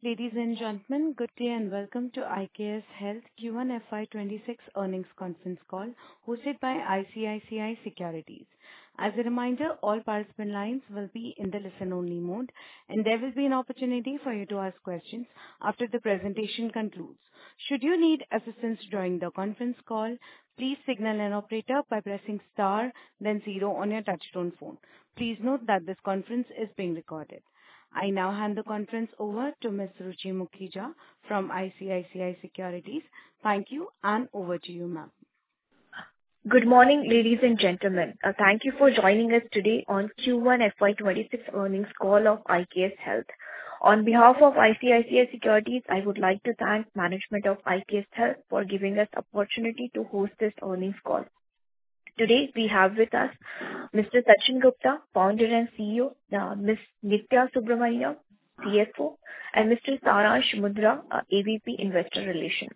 Ladies and gentlemen, good day and welcome to IKS Health Q1 FY 2026 earnings conference call hosted by ICICI Securities. As a reminder, all participant lines will be in the listen-only mode, and there will be an opportunity for you to ask questions after the presentation concludes. Should you need assistance during the conference call, please signal an operator by pressing star, then zero on your touch-tone phone. Please note that this conference is being recorded. I now hand the conference over to Ms. Ruchi Mukhija from ICICI Securities. Thank you, and over to you, ma'am. Good morning, ladies and gentlemen. Thank you for joining us today on Q1 FY 2026 earnings call of IKS Health. On behalf of ICICI Securities, I would like to thank the management of IKS Health for giving us the opportunity to host this earnings call. Today, we have with us Mr. Sachin Gupta, Founder and CEO, Ms. Nithya Balasubramanian CFO, and Mr. Saransh Mundra, AVP Investor Relations.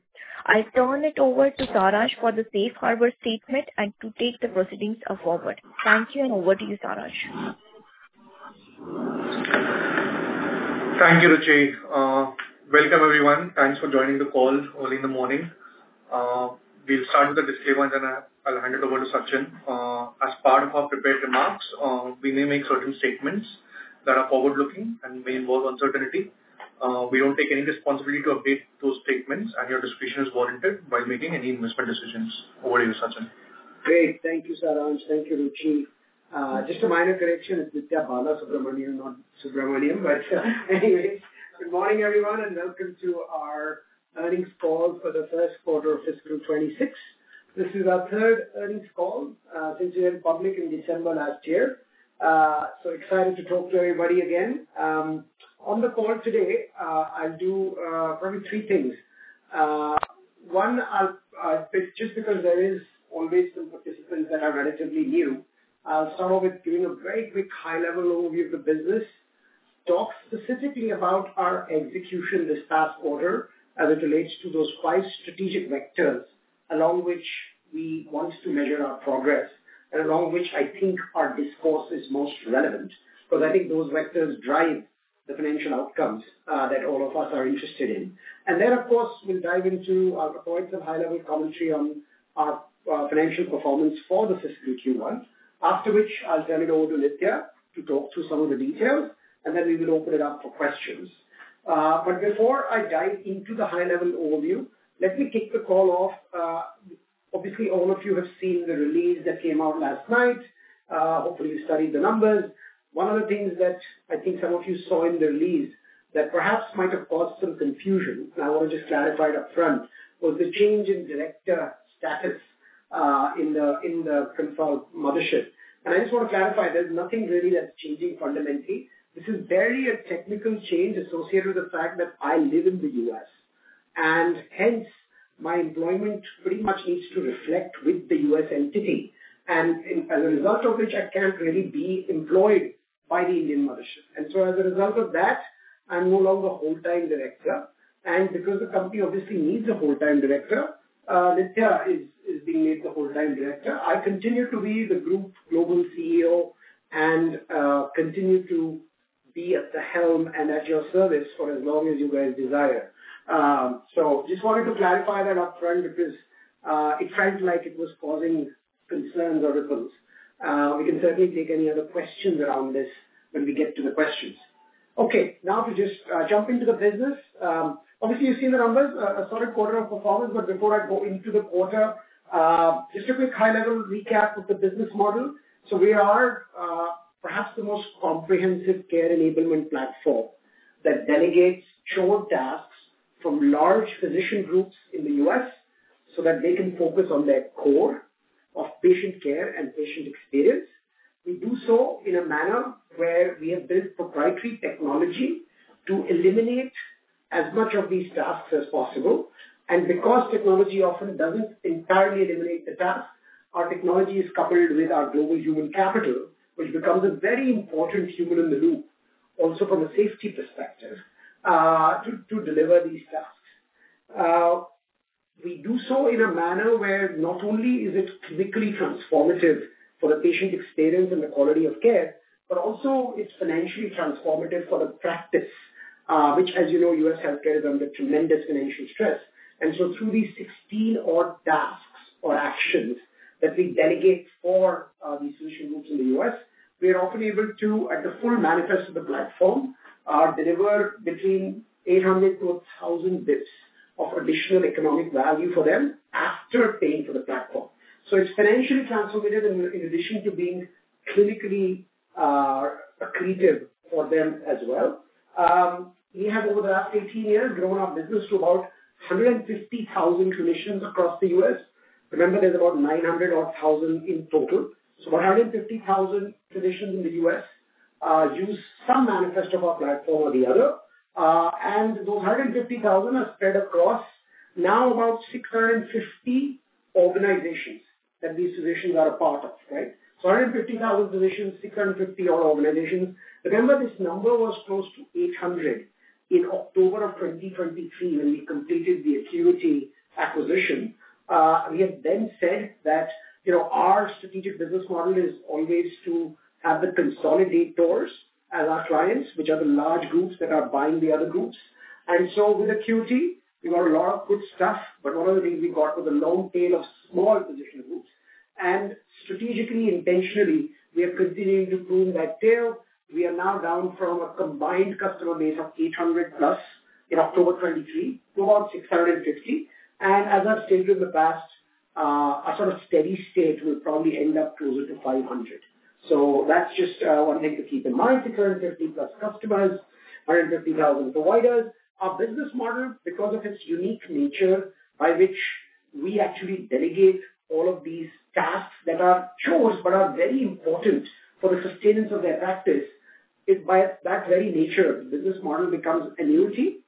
I'll turn it over to Saransh for the safe harbor statement and to take the proceedings forward. Thank you, and over to you, Saransh. Thank you, Ruchi. Welcome, everyone. Thanks for joining the call early in the morning. We'll start with the disclaimers, and I'll hand it over to Sachin. As part of our prepared remarks, we may make certain statements that are forward-looking and may involve uncertainty. We don't take any responsibility to update those statements, and your discretion is warranted while making any investment decisions. Over to you, Sachin. Great. Thank you, Saransh. Thank you, Ruchi. Just a minor correction: Nithya Balasubramanian, not Subramaniam. But anyway, good morning, everyone, and welcome to our earnings call for the first quarter of fiscal 2026. This is our third earnings call since we went public in December last year. So excited to talk to everybody again. On the call today, I'll do probably three things. One, just because there are always some participants that are relatively new, I'll start off with giving a very quick high-level overview of the business. Talk specifically about our execution this past quarter as it relates to those five strategic vectors along which we want to measure our progress, and along which I think our discourse is most relevant, because I think those vectors drive the financial outcomes that all of us are interested in. Then, of course, we'll dive into. I'll provide some high-level commentary on our financial performance for the fiscal Q1, after which I'll turn it over to Nithya to talk through some of the details, and then we will open it up for questions. But before I dive into the high-level overview, let me kick the call off. Obviously, all of you have seen the release that came out last night. Hopefully, you studied the numbers. One of the things that I think some of you saw in the release that perhaps might have caused some confusion, and I want to just clarify it upfront, was the change in director status in the Indian mothership. I just want to clarify there's nothing really that's changing fundamentally. This is barely a technical change associated with the fact that I live in the U.S., and hence my employment pretty much needs to reflect with the U.S. entity, and as a result of which I can't really be employed by the Indian mothership, and so as a result of that, I'm no longer a full-time director, and because the company obviously needs a full-time director, Nithya is being made the full-time director. I continue to be the Group Global CEO and continue to be at the helm and at your service for as long as you guys desire, so just wanted to clarify that upfront because it felt like it was causing concerns or ripples. We can certainly take any other questions around this when we get to the questions. Okay, now to just jump into the business. Obviously, you've seen the numbers, a solid quarter of performance. But before I go into the quarter, just a quick high-level recap of the business model. So we are perhaps the most comprehensive Care Enablement Platform that delegates chore tasks from large physician groups in the U.S. so that they can focus on their core of patient care and patient experience. We do so in a manner where we have built proprietary technology to eliminate as much of these tasks as possible. And because technology often doesn't entirely eliminate the task, our technology is coupled with our global human capital, which becomes a very important human in the loop, also from a safety perspective, to deliver these tasks. We do so in a manner where not only is it clinically transformative for the patient experience and the quality of care, but also it's financially transformative for the practice, which, as you know, U.S. healthcare is under tremendous financial stress. And so through these 16 odd tasks or actions that we delegate for these physician groups in the U.S., we are often able to, at the full manifest of the platform, deliver between 800 to 1,000 basis points of additional economic value for them after paying for the platform. So it's financially transformative in addition to being clinically accretive for them as well. We have, over the last 18 years, grown our business to about 150,000 clinicians across the U.S. Remember, there's about 900 odd thousand in total. So about 150,000 clinicians in the U.S. use some manifest of our platform or the other. And those 150,000 are spread across now about 650 organizations that these physicians are a part of, right? So 150,000 physicians, 650 odd organizations. Remember, this number was close to 800 in October of 2023 when we completed the AQuity acquisition. We have then said that our strategic business model is always to have the consolidators as our clients, which are the large groups that are buying the other groups. And so with AQuity, we got a lot of good stuff, but one of the things we got was a long tail of small physician groups. And strategically, intentionally, we are continuing to prune that tail. We are now down from a combined customer base of 800+ in October 2023 to about 650. And as I've stated in the past, a sort of steady state will probably end up closer to 500. So that's just one thing to keep in mind: 650+ customers, 150,000 providers. Our business model, because of its unique nature, by which we actually delegate all of these tasks that are chores but are very important for the sustenance of their practice, is by that very nature, the business model becomes annuity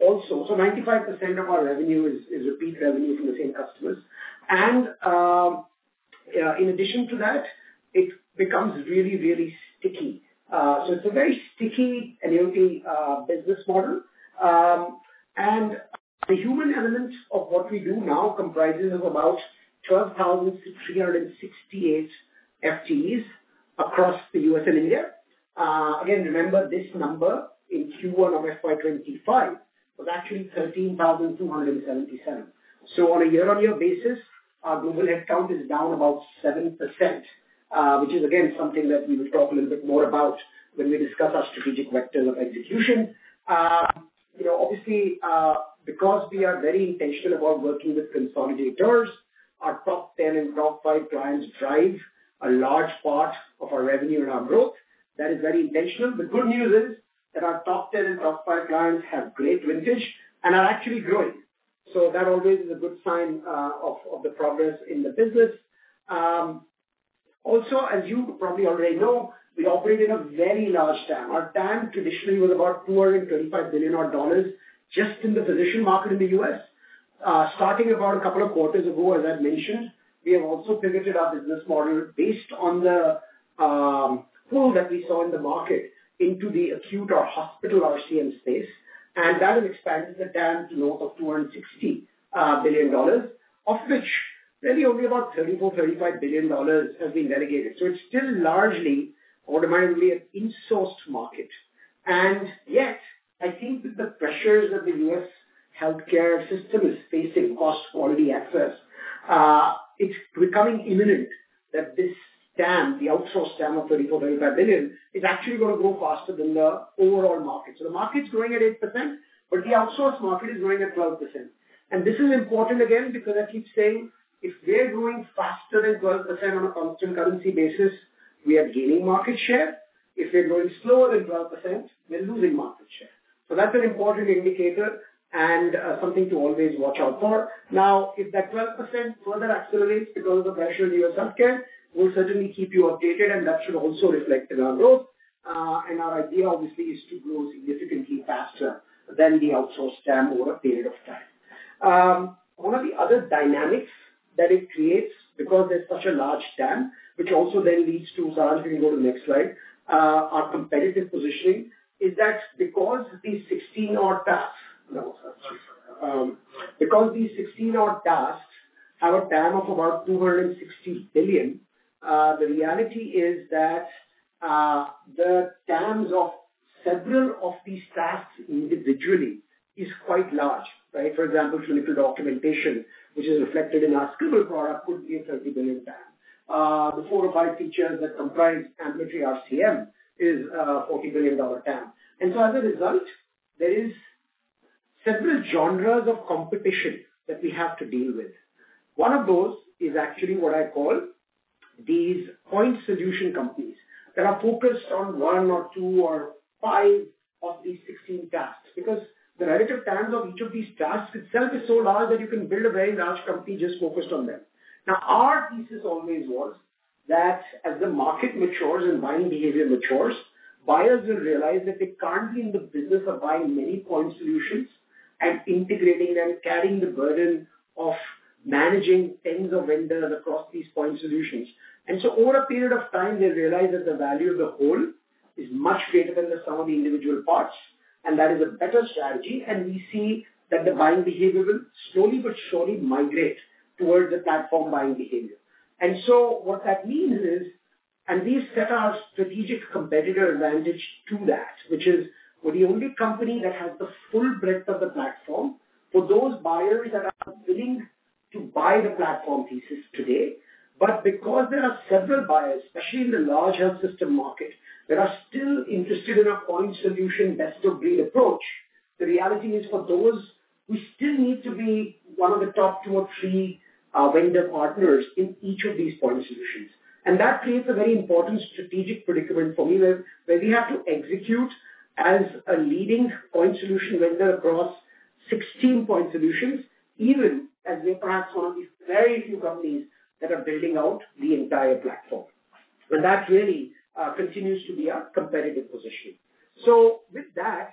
also. So 95% of our revenue is repeat revenue from the same customers. And in addition to that, it becomes really, really sticky. So it's a very sticky annuity business model. And the human element of what we do now comprises of about 12,368 FTEs across the U.S. and India. Again, remember, this number in Q1 of FY 2025 was actually 13,277. So on a year-on-year basis, our global headcount is down about 7%, which is, again, something that we will talk a little bit more about when we discuss our strategic vectors of execution. Obviously, because we are very intentional about working with consolidators, our top 10 and top five clients drive a large part of our revenue and our growth. That is very intentional. The good news is that our top 10 and top five clients have great vintages and are actually growing. So that always is a good sign of the progress in the business. Also, as you probably already know, we operate in a very large TAM. Our TAM traditionally was about $225 billion-odd just in the physician market in the U.S. Starting about a couple of quarters ago, as I've mentioned, we have also pivoted our business model based on the pull that we saw in the market into the acute or hospital RCM space. That has expanded the TAM to north of $260 billion, of which really only about $34 billion-$35 billion have been delegated. It's still largely, ordinarily, an insourced market. Yet, I think that the pressures that the U.S. healthcare system is facing, cost, quality, access, it's becoming imminent that this TAM, the outsourced TAM of $34 billion -$35 billion, is actually going to grow faster than the overall market. The market's growing at 8%, but the outsourced market is growing at 12%. This is important again because I keep saying if they're growing faster than 12% on a constant currency basis, we are gaining market share. If they're growing slower than 12%, we're losing market share. That's an important indicator and something to always watch out for. Now, if that 12% further accelerates because of the pressure in U.S. healthcare, we'll certainly keep you updated, and that should also reflect in our growth. And our idea, obviously, is to grow significantly faster than the outsourced TAM over a period of time. One of the other dynamics that it creates, because there's such a large TAM, which also then leads to our competitive positioning is that because these 16-odd tasks, because these 16-odd tasks have a TAM of about $260 billion, the reality is that the TAMs of several of these tasks individually is quite large, right? For example, clinical documentation, which is reflected in our Scribble product, could be a $30 billion TAM. The core 5 features that comprise ambulatory RCM is a $40 billion TAM. And so as a result, there are several genres of competition that we have to deal with. One of those is actually what I call these point solution companies that are focused on one or two or five of these 16 tasks, because the relative TAMs of each of these tasks itself is so large that you can build a very large company just focused on them. Now, our thesis always was that as the market matures and buying behavior matures, buyers will realize that they can't be in the business of buying many point solutions and integrating and carrying the burden of managing tens of vendors across these point solutions. And so over a period of time, they realize that the value of the whole is much greater than the sum of the individual parts, and that is a better strategy. And we see that the buying behavior will slowly but surely migrate towards the platform buying behavior. And so what that means is, and we've set our competitive advantage to that, which is we're the only company that has the full breadth of the platform for those buyers that are willing to buy the platform thesis today. But because there are several buyers, especially in the large health system market, that are still interested in a point solution best-of-breed approach, the reality is for those, we still need to be one of the top two or three vendor partners in each of these point solutions. And that creates a very important strategic predicament for me, where we have to execute as a leading point solution vendor across 16 point solutions, even as we are perhaps one of the very few companies that are building out the entire platform. That really continues to be our competitive positioning. With that,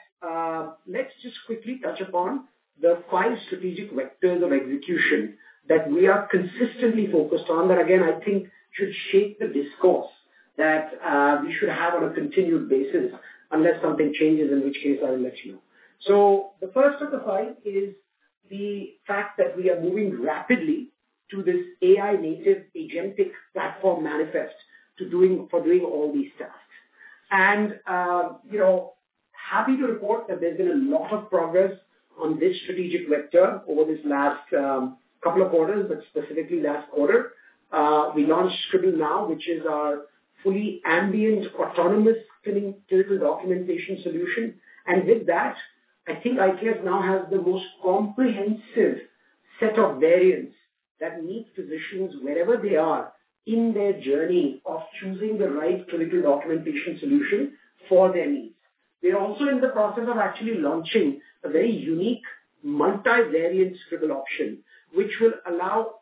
let's just quickly touch upon the five strategic vectors of execution that we are consistently focused on that, again, I think should shape the discourse that we should have on a continued basis unless something changes, in which case I will let you know. The first of the five is the fact that we are moving rapidly to this AI-native agentic platform manifest for doing all these tasks. Happy to report that there's been a lot of progress on this strategic vector over this last couple of quarters, but specifically last quarter. We launched Scribble Now, which is our fully ambient autonomous clinical documentation solution. With that, I think IKS now has the most comprehensive set of variants that meet physicians wherever they are in their journey of choosing the right clinical documentation solution for their needs. We are also in the process of actually launching a very unique multivariant Scribble option, which will allow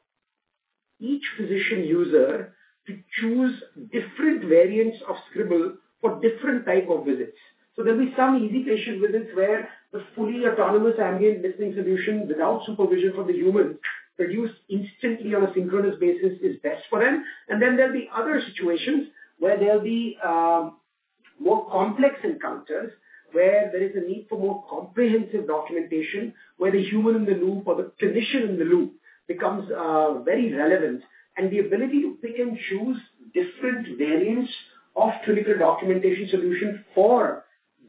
each physician user to choose different variants of Scribble for different types of visits. There'll be some easy patient visits where the fully autonomous ambient listening solution without supervision from the human produced instantly on a synchronous basis is best for them. There'll be other situations where there'll be more complex encounters where there is a need for more comprehensive documentation, where the human in the loop or the clinician in the loop becomes very relevant. And the ability to pick and choose different variants of clinical documentation solutions for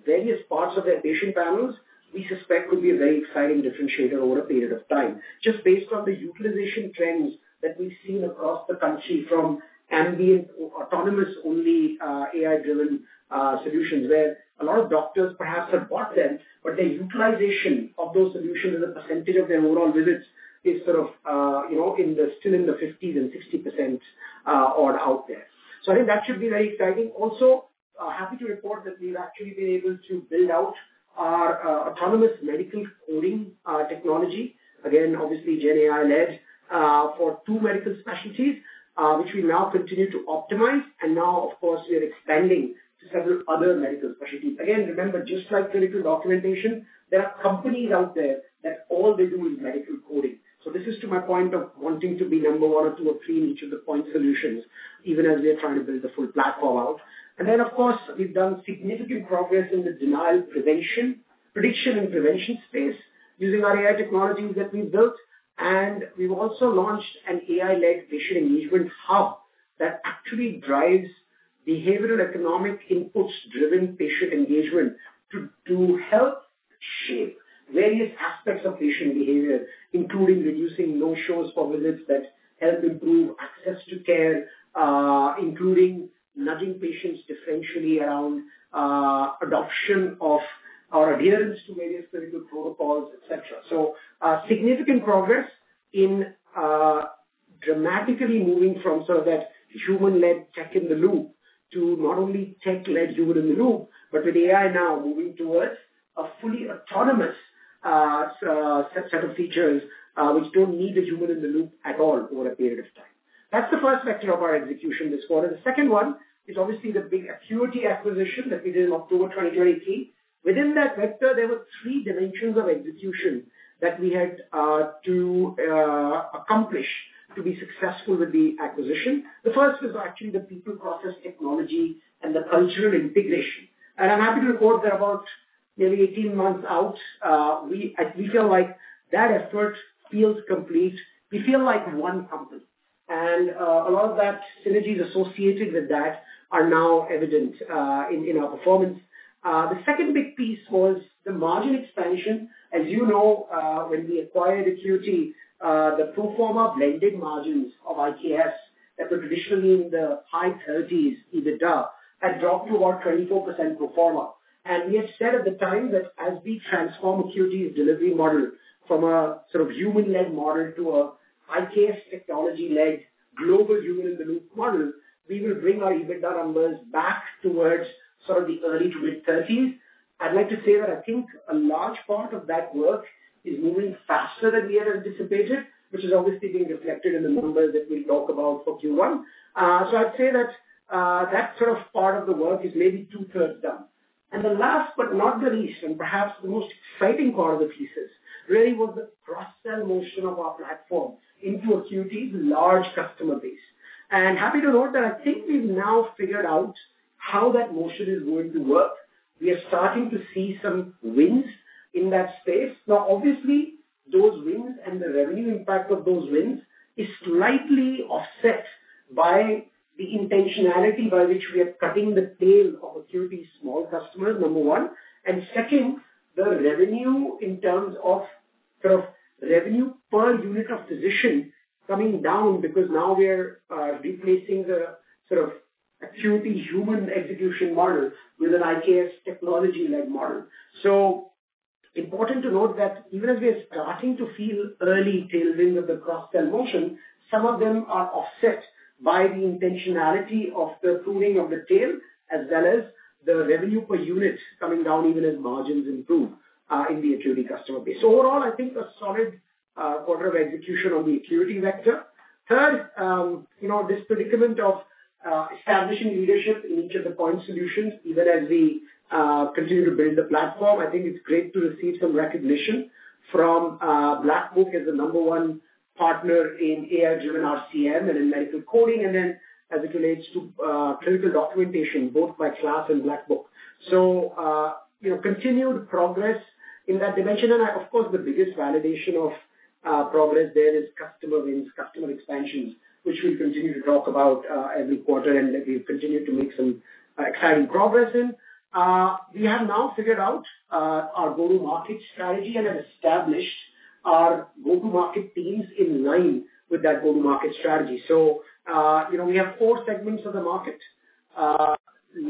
various parts of their patient panels, we suspect could be a very exciting differentiator over a period of time, just based on the utilization trends that we've seen across the country from ambient autonomous-only AI-driven solutions, where a lot of doctors perhaps have bought them, but their utilization of those solutions as a percentage of their overall visits is sort of still in the 50% and 60% odd out there. So I think that should be very exciting. Also, happy to report that we've actually been able to build out our autonomous medical coding technology, again, obviously GenAI-led, for two medical specialties, which we now continue to optimize. And now, of course, we are expanding to several other medical specialties. Again, remember, just like clinical documentation, there are companies out there that all they do is medical coding. So this is to my point of wanting to be number one or two or three in each of the point solutions, even as we are trying to build the full platform out. And then, of course, we've done significant progress in the denial prediction and prevention space using our AI technologies that we built. And we've also launched an AI-led patient engagement hub that actually drives behavioral economic inputs-driven patient engagement to help shape various aspects of patient behavior, including reducing no-shows for visits that help improve access to care, including nudging patients differentially around adoption of our adherence to various clinical protocols, etc. So significant progress in dramatically moving from sort of that human-led tech in the loop to not only tech-led human in the loop, but with AI now moving towards a fully autonomous set of features which don't need the human in the loop at all over a period of time. That's the first vector of our execution this quarter. The second one is obviously the big AQuity acquisition that we did in October 2023. Within that vector, there were three dimensions of execution that we had to accomplish to be successful with the acquisition. The first was actually the people process technology and the cultural integration. And I'm happy to report that about nearly 18 months out, we feel like that effort feels complete. We feel like one company. And a lot of that synergies associated with that are now evident in our performance. The second big piece was the margin expansion. As you know, when we acquired AQuity, the pro forma blended margins of IKS that were traditionally in the high 30s% had dropped to about 24% pro forma. And we had said at the time that as we transform AQuity's delivery model from a sort of human-led model to an IKS technology-led global human-in-the-loop model, we will bring our EBITDA numbers back towards sort of the early to mid-30s%. I'd like to say that I think a large part of that work is moving faster than we had anticipated, which is obviously being reflected in the numbers that we'll talk about for Q1. So I'd say that that sort of part of the work is maybe two-thirds done. The last but not the least, and perhaps the most exciting part of the thesis really was the cross-sell motion of our platform into AQuity's large customer base. Happy to note that I think we've now figured out how that motion is going to work. We are starting to see some wins in that space. Now, obviously, those wins and the revenue impact of those wins is slightly offset by the intentionality by which we are cutting the tail of AQuity's small customers, number one. Second, the revenue in terms of sort of revenue per unit of physician coming down because now we are replacing the sort of AQuity human execution model with an IKS technology-led model. So important to note that even as we are starting to feel early tailwinds of the cross-sell motion, some of them are offset by the intentionality of the pruning of the tail as well as the revenue per unit coming down even as margins improve in the AQuity customer base. So overall, I think a solid quarter of execution on the AQuity vector. Third, this predicament of establishing leadership in each of the point solutions, even as we continue to build the platform, I think it's great to receive some recognition from Black Book as the number one partner in AI-driven RCM and in medical coding, and then as it relates to clinical documentation, both by KLAS and Black Book. So continued progress in that dimension. And of course, the biggest validation of progress there is customer wins, customer expansions, which we'll continue to talk about every quarter, and we'll continue to make some exciting progress in. We have now figured out our go-to-market strategy and have established our go-to-market teams in line with that go-to-market strategy. So we have four segments of the market: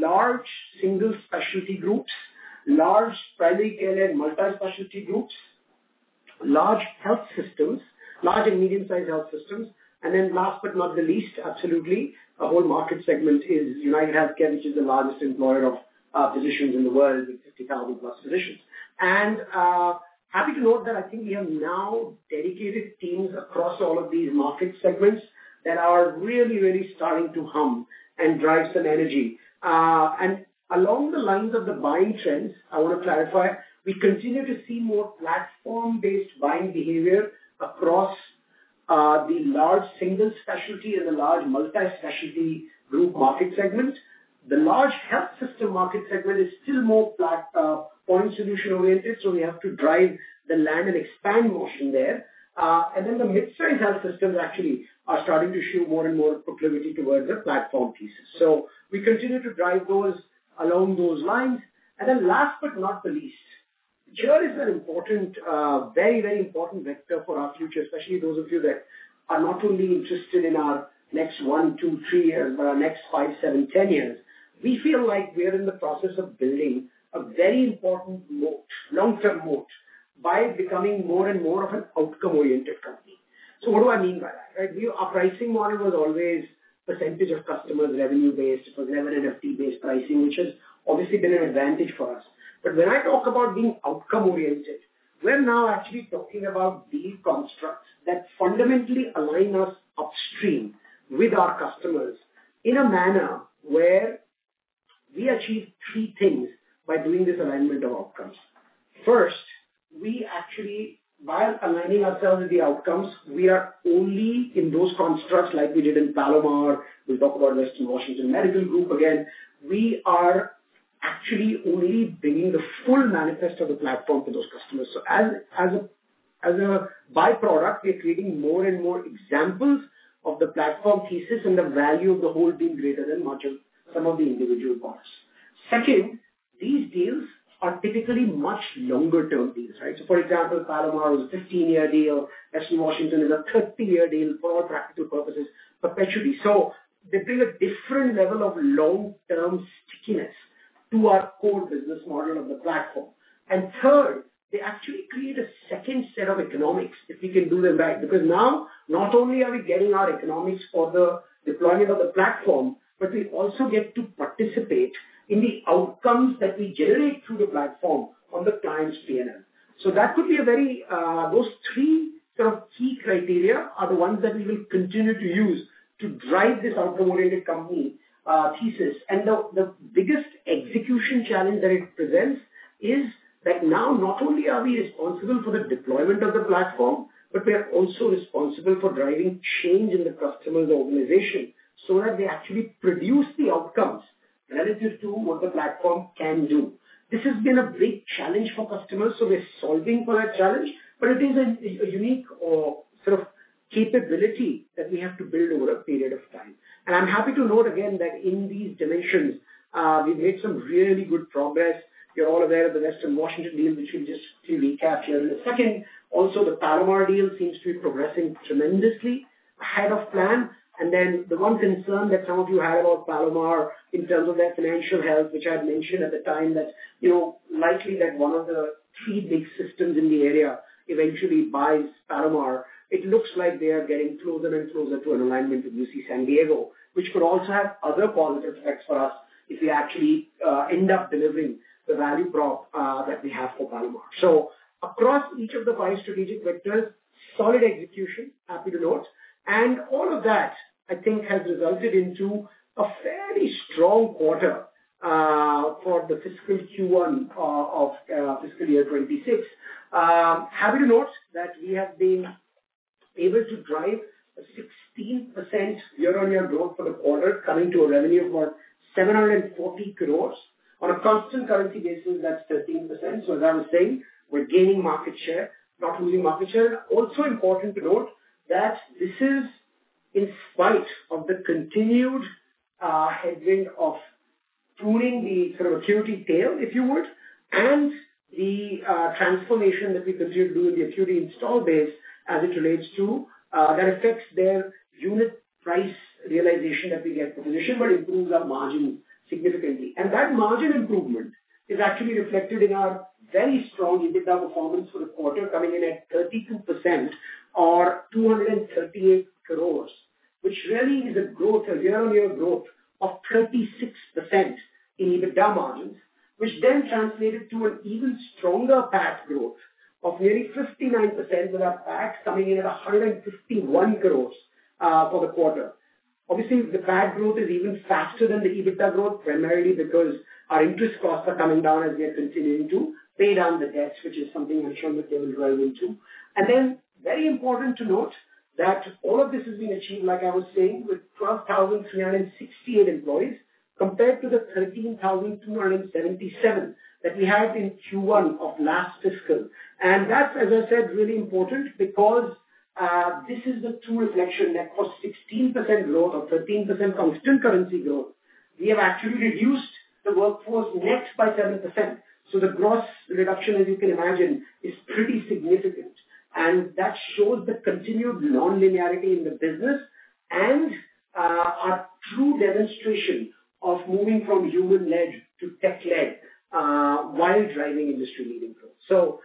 large single specialty groups, large primary care-led multispecialty groups, large health systems, large and medium-sized health systems, and then last but not the least, absolutely, a whole market segment is UnitedHealthcare, which is the largest employer of physicians in the world with 50,000+ physicians. And happy to note that I think we have now dedicated teams across all of these market segments that are really, really starting to hum and drive some energy. And along the lines of the buying trends, I want to clarify, we continue to see more platform-based buying behavior across the large single specialty and the large multispecialty group market segment. The large health system market segment is still more point solution-oriented, so we have to drive the land and expand motion there. And then the mid-size health systems actually are starting to show more and more proclivity towards the platform pieces. So we continue to drive those along those lines. And then last but not the least, Care is an important, very, very important vector for our future, especially those of you that are not only interested in our next one, two, three years, but our next five, seven, ten years. We feel like we are in the process of building a very important moat, long-term moat, by becoming more and more of an outcome-oriented company. So what do I mean by that? Right? Our pricing model was always percentage of customers revenue-based for E&M and a few days pricing, which has obviously been an advantage for us. But when I talk about being outcome-oriented, we're now actually talking about these constructs that fundamentally align us upstream with our customers in a manner where we achieve three things by doing this alignment of outcomes. First, we actually, while aligning ourselves with the outcomes, we are only in those constructs like we did in Palomar. We'll talk about Western Washington Medical Group again. We are actually only bringing the full manifest of the platform to those customers. So as a byproduct, we're creating more and more examples of the platform thesis and the value of the whole being greater than much of some of the individual parts. Second, these deals are typically much longer-term deals, right? So, for example, Palomar is a 15-year deal. Western Washington is a 30-year deal for our practical purposes, perpetually. So they bring a different level of long-term stickiness to our core business model of the platform. And third, they actually create a second set of economics if we can do them right. Because now, not only are we getting our economics for the deployment of the platform, but we also get to participate in the outcomes that we generate through the platform on the client's P&L. So that could be a very those three sort of key criteria are the ones that we will continue to use to drive this outcome-oriented company thesis. And the biggest execution challenge that it presents is that now not only are we responsible for the deployment of the platform, but we are also responsible for driving change in the customer's organization so that they actually produce the outcomes relative to what the platform can do. This has been a big challenge for customers, so we're solving for that challenge, but it is a unique sort of capability that we have to build over a period of time. And I'm happy to note again that in these dimensions, we've made some really good progress. You're all aware of the Western Washington deal, which we'll just recap here in a second. Also, the Palomar deal seems to be progressing tremendously ahead of plan. And then the one concern that some of you had about Palomar in terms of their financial health, which I had mentioned at the time that likely that one of the three big systems in the area eventually buys Palomar. It looks like they are getting closer and closer to an alignment with UC San Diego, which could also have other positive effects for us if we actually end up delivering the value prop that we have for Palomar. So across each of the five strategic vectors, solid execution, happy to note. And all of that, I think, has resulted into a fairly strong quarter for the fiscal Q1 of fiscal year 26. Happy to note that we have been able to drive a 16% year-on-year growth for the quarter, coming to a revenue of about 740 crores on a constant currency basis. That's 13%. As I was saying, we're gaining market share, not losing market share. Also important to note that this is in spite of the continued headwind of pruning the sort of AQuity tail, if you would, and the transformation that we continue to do in the AQuity install base as it relates to that affects their unit price realization that we get proposition, but improves our margin significantly. That margin improvement is actually reflected in our very strong EBITDA performance for the quarter, coming in at 32% or 238 crores, which really is a year-on-year growth of 36% in EBITDA margins, which then translated to an even stronger PAT growth of nearly 59% with our PAT coming in at 151 crores for the quarter. Obviously, the PAT growth is even faster than the EBITDA growth, primarily because our interest costs are coming down as we are continuing to pay down the debts, which is something I'm sure that they will drive into, and then very important to note that all of this has been achieved, like I was saying, with 12,368 employees compared to the 13,277 that we had in Q1 of last fiscal, and that's, as I said, really important because this is the true reflection that for 16% growth or 13% constant currency growth, we have actually reduced the workforce net by 7%. So the gross reduction, as you can imagine, is pretty significant, and that shows the continued non-linearity in the business and our true demonstration of moving from human-led to tech-led while driving industry-leading growth. So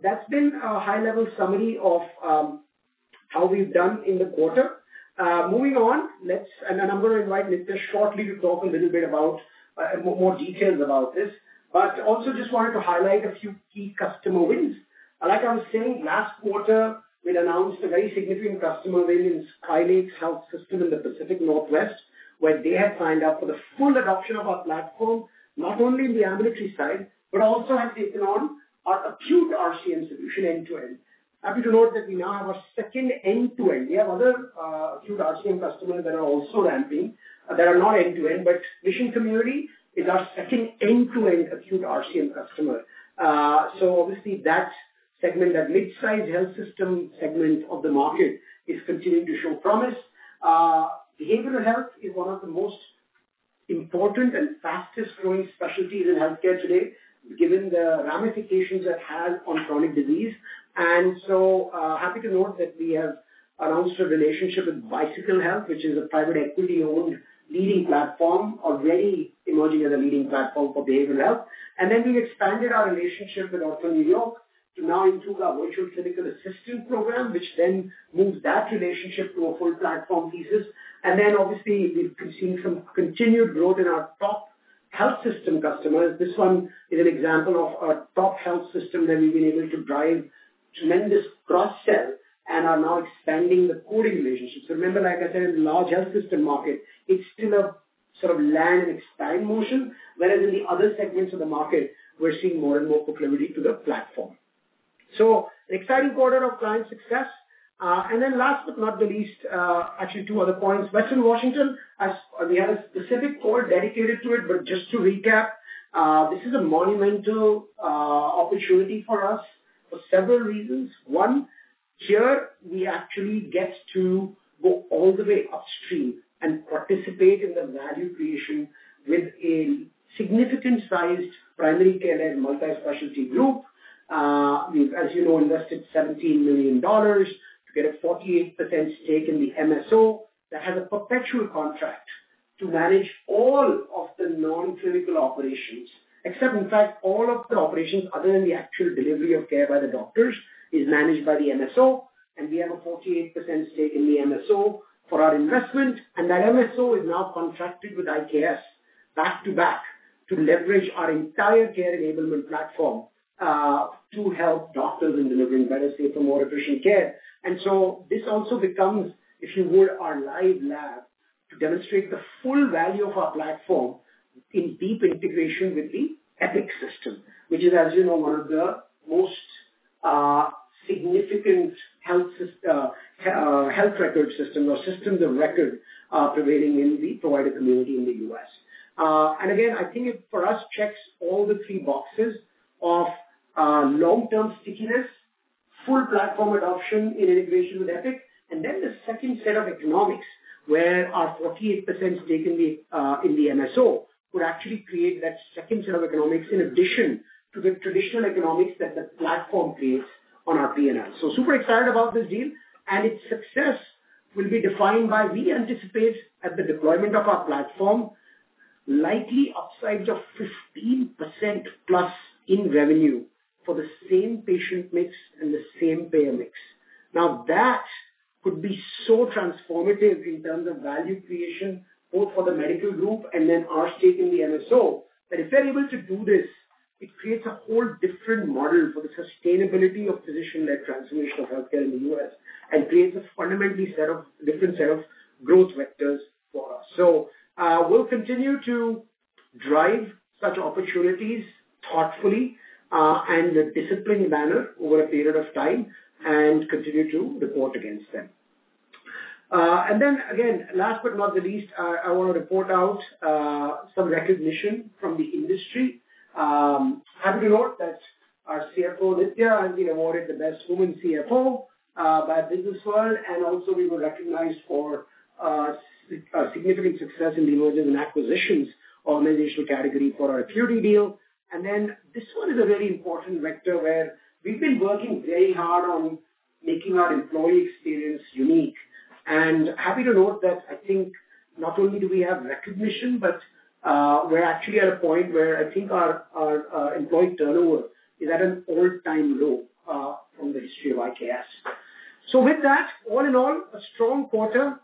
that's been a high-level summary of how we've done in the quarter. Moving on, and I'm going to invite Nithya shortly to talk a little bit about more details about this, but also just wanted to highlight a few key customer wins. Like I was saying, last quarter, we announced a very significant customer win in Sky Lakes' health system in the Pacific Northwest, where they had signed up for the full adoption of our platform, not only in the ambulatory side, but also have taken on our acute RCM solution end-to-end. Happy to note that we now have our second end-to-end. We have other acute RCM customers that are also ramping that are not end-to-end, but Mission Community Hospital is our second end-to-end acute RCM customer. So obviously, that segment, that mid-size health system segment of the market, is continuing to show promise. Behavioral health is one of the most important and fastest-growing specialties in healthcare today, given the ramifications it has on chronic disease, and so happy to note that we have announced a relationship with Bicycle Health, which is a private AQuity-owned leading platform, already emerging as a leading platform for behavioral health, and then we've expanded our relationship with OrthoNY to now include our Virtual Clinical Assistant program, which then moves that relationship to a full platform thesis, and then obviously, we've seen some continued growth in our top health system customers. This one is an example of our top health system that we've been able to drive tremendous cross-sell and are now expanding the coding relationship. So, remember, like I said, in the large health system market, it's still a sort of land and expand motion, whereas in the other segments of the market, we're seeing more and more proclivity to the platform. So, an exciting quarter of client success. And then, last but not the least, actually two other points. Western Washington, we have a specific core dedicated to it, but just to recap, this is a monumental opportunity for us for several reasons. One, here we actually get to go all the way upstream and participate in the value creation with a significant-sized primary care-led multispecialty group. We've, as you know, invested $17 million to get a 48% stake in the MSO that has a perpetual contract to manage all of the non-clinical operations, except, in fact, all of the operations other than the actual delivery of care by the doctors is managed by the MSO, and we have a 48% stake in the MSO for our investment, and that MSO is now contracted with IKS back to back to leverage our entire care enablement platform to help doctors in delivering better, safer, more efficient care, and so this also becomes, if you would, our live lab to demonstrate the full value of our platform in deep integration with the Epic system, which is, as you know, one of the most significant health record systems or systems of record prevailing in the provider community in the U.S. And again, I think, for us, it checks all the three boxes of long-term stickiness, full platform adoption and integration with Epic, and then the second set of economics where our 48% stake in the MSO would actually create that second set of economics in addition to the traditional economics that the platform creates on our P&L. So super excited about this deal, and its success will be defined by, we anticipate, at the deployment of our platform, likely upside to 15%+ in revenue for the same patient mix and the same payer mix. Now, that could be so transformative in terms of value creation both for the medical group and then our stake in the MSO that if they're able to do this, it creates a whole different model for the sustainability of physician-led transformation of healthcare in the U.S. and creates a fundamentally different set of growth vectors for us. So we'll continue to drive such opportunities thoughtfully and in a disciplined manner over a period of time and continue to report against them. And then again, last but not the least, I want to report out some recognition from the industry. Happy to note that our CFO, Nithya, has been awarded the Best Woman CFO by Businessworld, and also we were recognized for significant success in the mergers and acquisitions organizational category for our AQuity deal. And then this one is a very important vector where we've been working very hard on making our employee experience unique. And happy to note that I think not only do we have recognition, but we're actually at a point where I think our employee turnover is at an all-time low from the history of IKS. So with that, all in all, a strong quarter,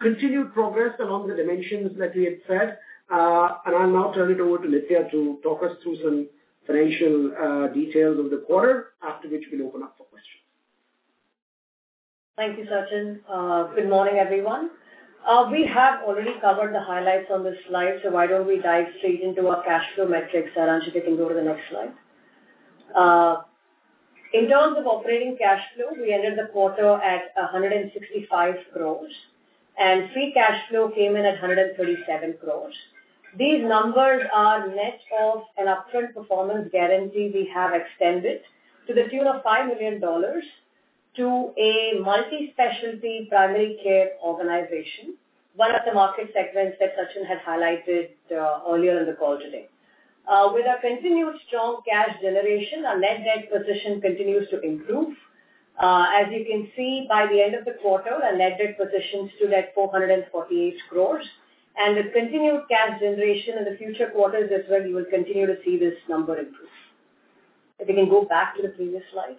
continued progress along the dimensions that we had said. And I'll now turn it over to Nithya to talk us through some financial details of the quarter, after which we'll open up for questions. Thank you, Sachin. Good morning, everyone. We have already covered the highlights on this slide, so why don't we dive straight into our cash flow metrics? Harjit, you can go to the next slide. In terms of operating cash flow, we entered the quarter at 165 crores, and free cash flow came in at 137 crores. These numbers are net of an upfront performance guarantee we have extended to the tune of $5 million to a multispecialty primary care organization, one of the market segments that Sachin had highlighted earlier in the call today. With our continued strong cash generation, our net debt position continues to improve. As you can see, by the end of the quarter, our net debt position stood at 448 crores, and the continued cash generation in the future quarters as well will continue to see this number improve. If you can go back to the previous slide.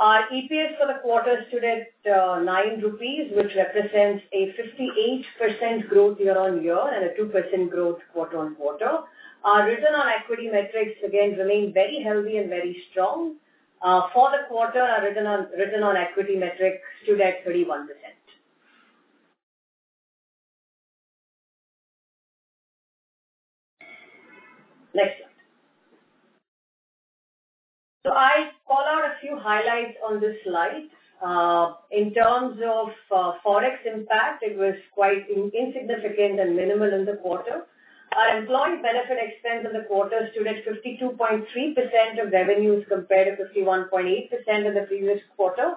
Our EPS for the quarter stood at 9 rupees, which represents a 58% growth year-on-year and a 2% growth quarter-on-quarter. Our return on AQuity metrics, again, remain very healthy and very strong. For the quarter, our return on AQuity metric stood at 31%. Next slide. So I call out a few highlights on this slide. In terms of forex impact, it was quite insignificant and minimal in the quarter. Our employee benefit expense in the quarter stood at 52.3% of revenues compared to 51.8% in the previous quarter.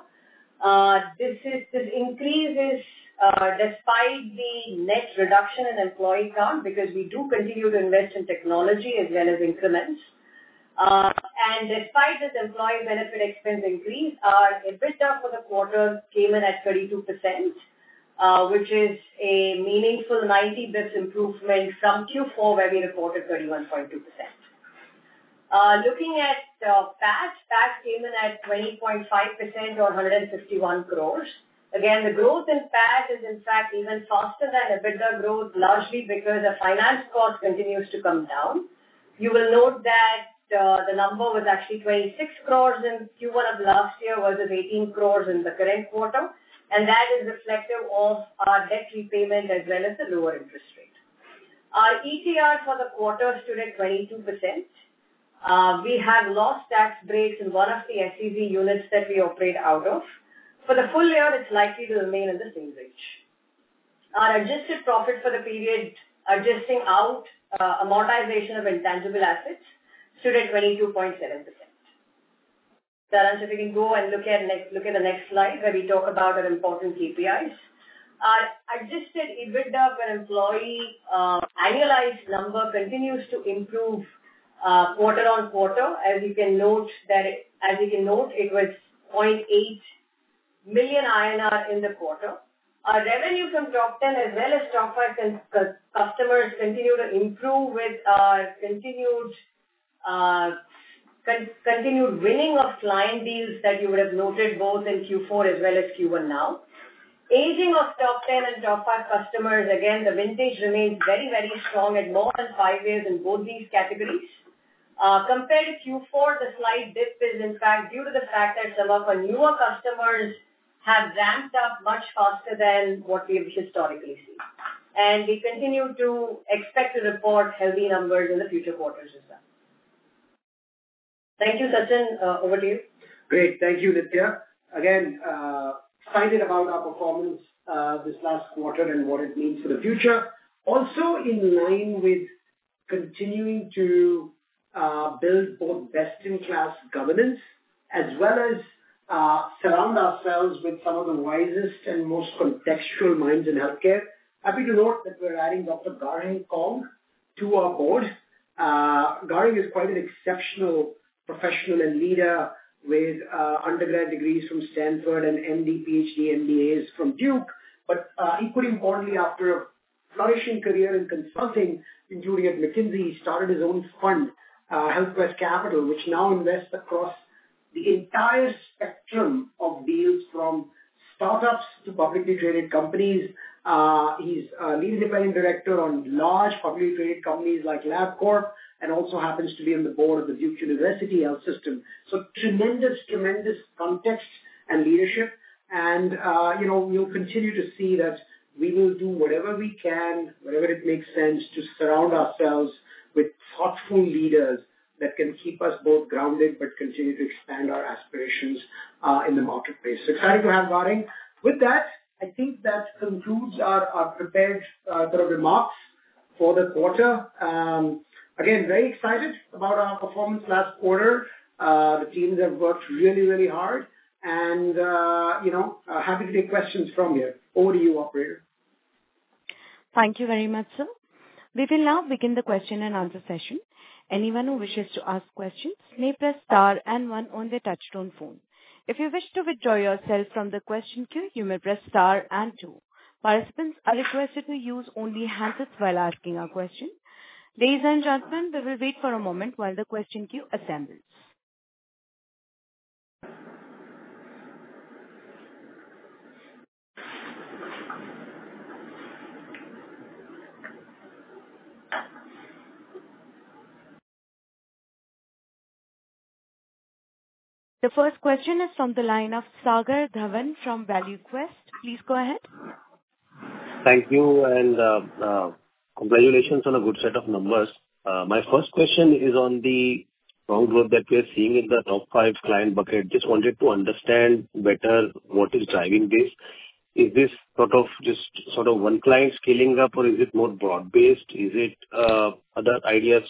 This increase is despite the net reduction in employee count because we do continue to invest in technology as well as increments. And despite this employee benefit expense increase, our EBITDA for the quarter came in at 32%, which is a meaningful 90 basis points improvement from Q4, where we reported 31.2%. Looking at PAT, PAT came in at 20.5% or 151 crores. Again, the growth in PAT is, in fact, even faster than EBITDA growth, largely because the finance cost continues to come down. You will note that the number was actually 26 crores in Q1 of last year versus 18 crores in the current quarter, and that is reflective of our debt repayment as well as the lower interest rate. Our ETR for the quarter stood at 22%. We have lost tax breaks in one of the SEZ units that we operate out of. For the full year, it's likely to remain in the same range. Our adjusted profit for the period adjusting out amortization of intangible assets stood at 22.7%. So Harjit, if you can go and look at the next slide where we talk about our important KPIs. Our Adjusted EBITDA per employee annualized number continues to improve quarter on quarter. As you can note, it was 0.8 million INR in the quarter. Our revenue from top 10 as well as top five customers continues to improve with our continued winning of client deals that you would have noted both in Q4 as well as Q1 now. Aging of top 10 and top five customers, again, the vintage remains very, very strong at more than five years in both these categories. Compared to Q4, the slight dip is, in fact, due to the fact that some of our newer customers have ramped up much faster than what we have historically seen. And we continue to expect to report healthy numbers in the future quarters as well. Thank you, Sachin. Over to you. Great. Thank you, Nithya. Again, excited about our performance this last quarter and what it means for the future. Also in line with continuing to build both best-in-class governance as well as surround ourselves with some of the wisest and most contextual minds in healthcare. Happy to note that we're adding Dr. Garheng Kong to our board. Garheng is quite an exceptional professional and leader with undergrad degrees from Stanford and MD, PhD, MBAs from Duke. But equally importantly, after a flourishing career in consulting, interning at McKinsey, he started his own fund, HealthQuest Capital, which now invests across the entire spectrum of deals from startups to publicly traded companies. He's a lead independent director on large publicly traded companies like LabCorp and also happens to be on the board of the Duke University Health System. So tremendous, tremendous context and leadership. And we'll continue to see that we will do whatever we can, whatever it makes sense, to surround ourselves with thoughtful leaders that can keep us both grounded but continue to expand our aspirations in the marketplace. So excited to have Garheng. With that, I think that concludes our prepared remarks for the quarter. Again, very excited about our performance last quarter. The teams have worked really, really hard. And happy to take questions from here. Over to you, operator. Thank you very much, sir. We will now begin the question and answer session. Anyone who wishes to ask questions may press star and one on their touch-tone phone. If you wish to withdraw yourself from the question queue, you may press star and two. Participants are requested to use only the handset while asking a question. Ladies and gentlemen, we will wait for a moment while the question queue assembles. The first question is from the line of Sagar Dhawan from ValueQuest. Please go ahead. Thank you and congratulations on a good set of numbers. My first question is on the growth that we are seeing in the top five client bucket. Just wanted to understand better what is driving this. Is this sort of just sort of one client scaling up, or is it more broad-based? Is it other clients,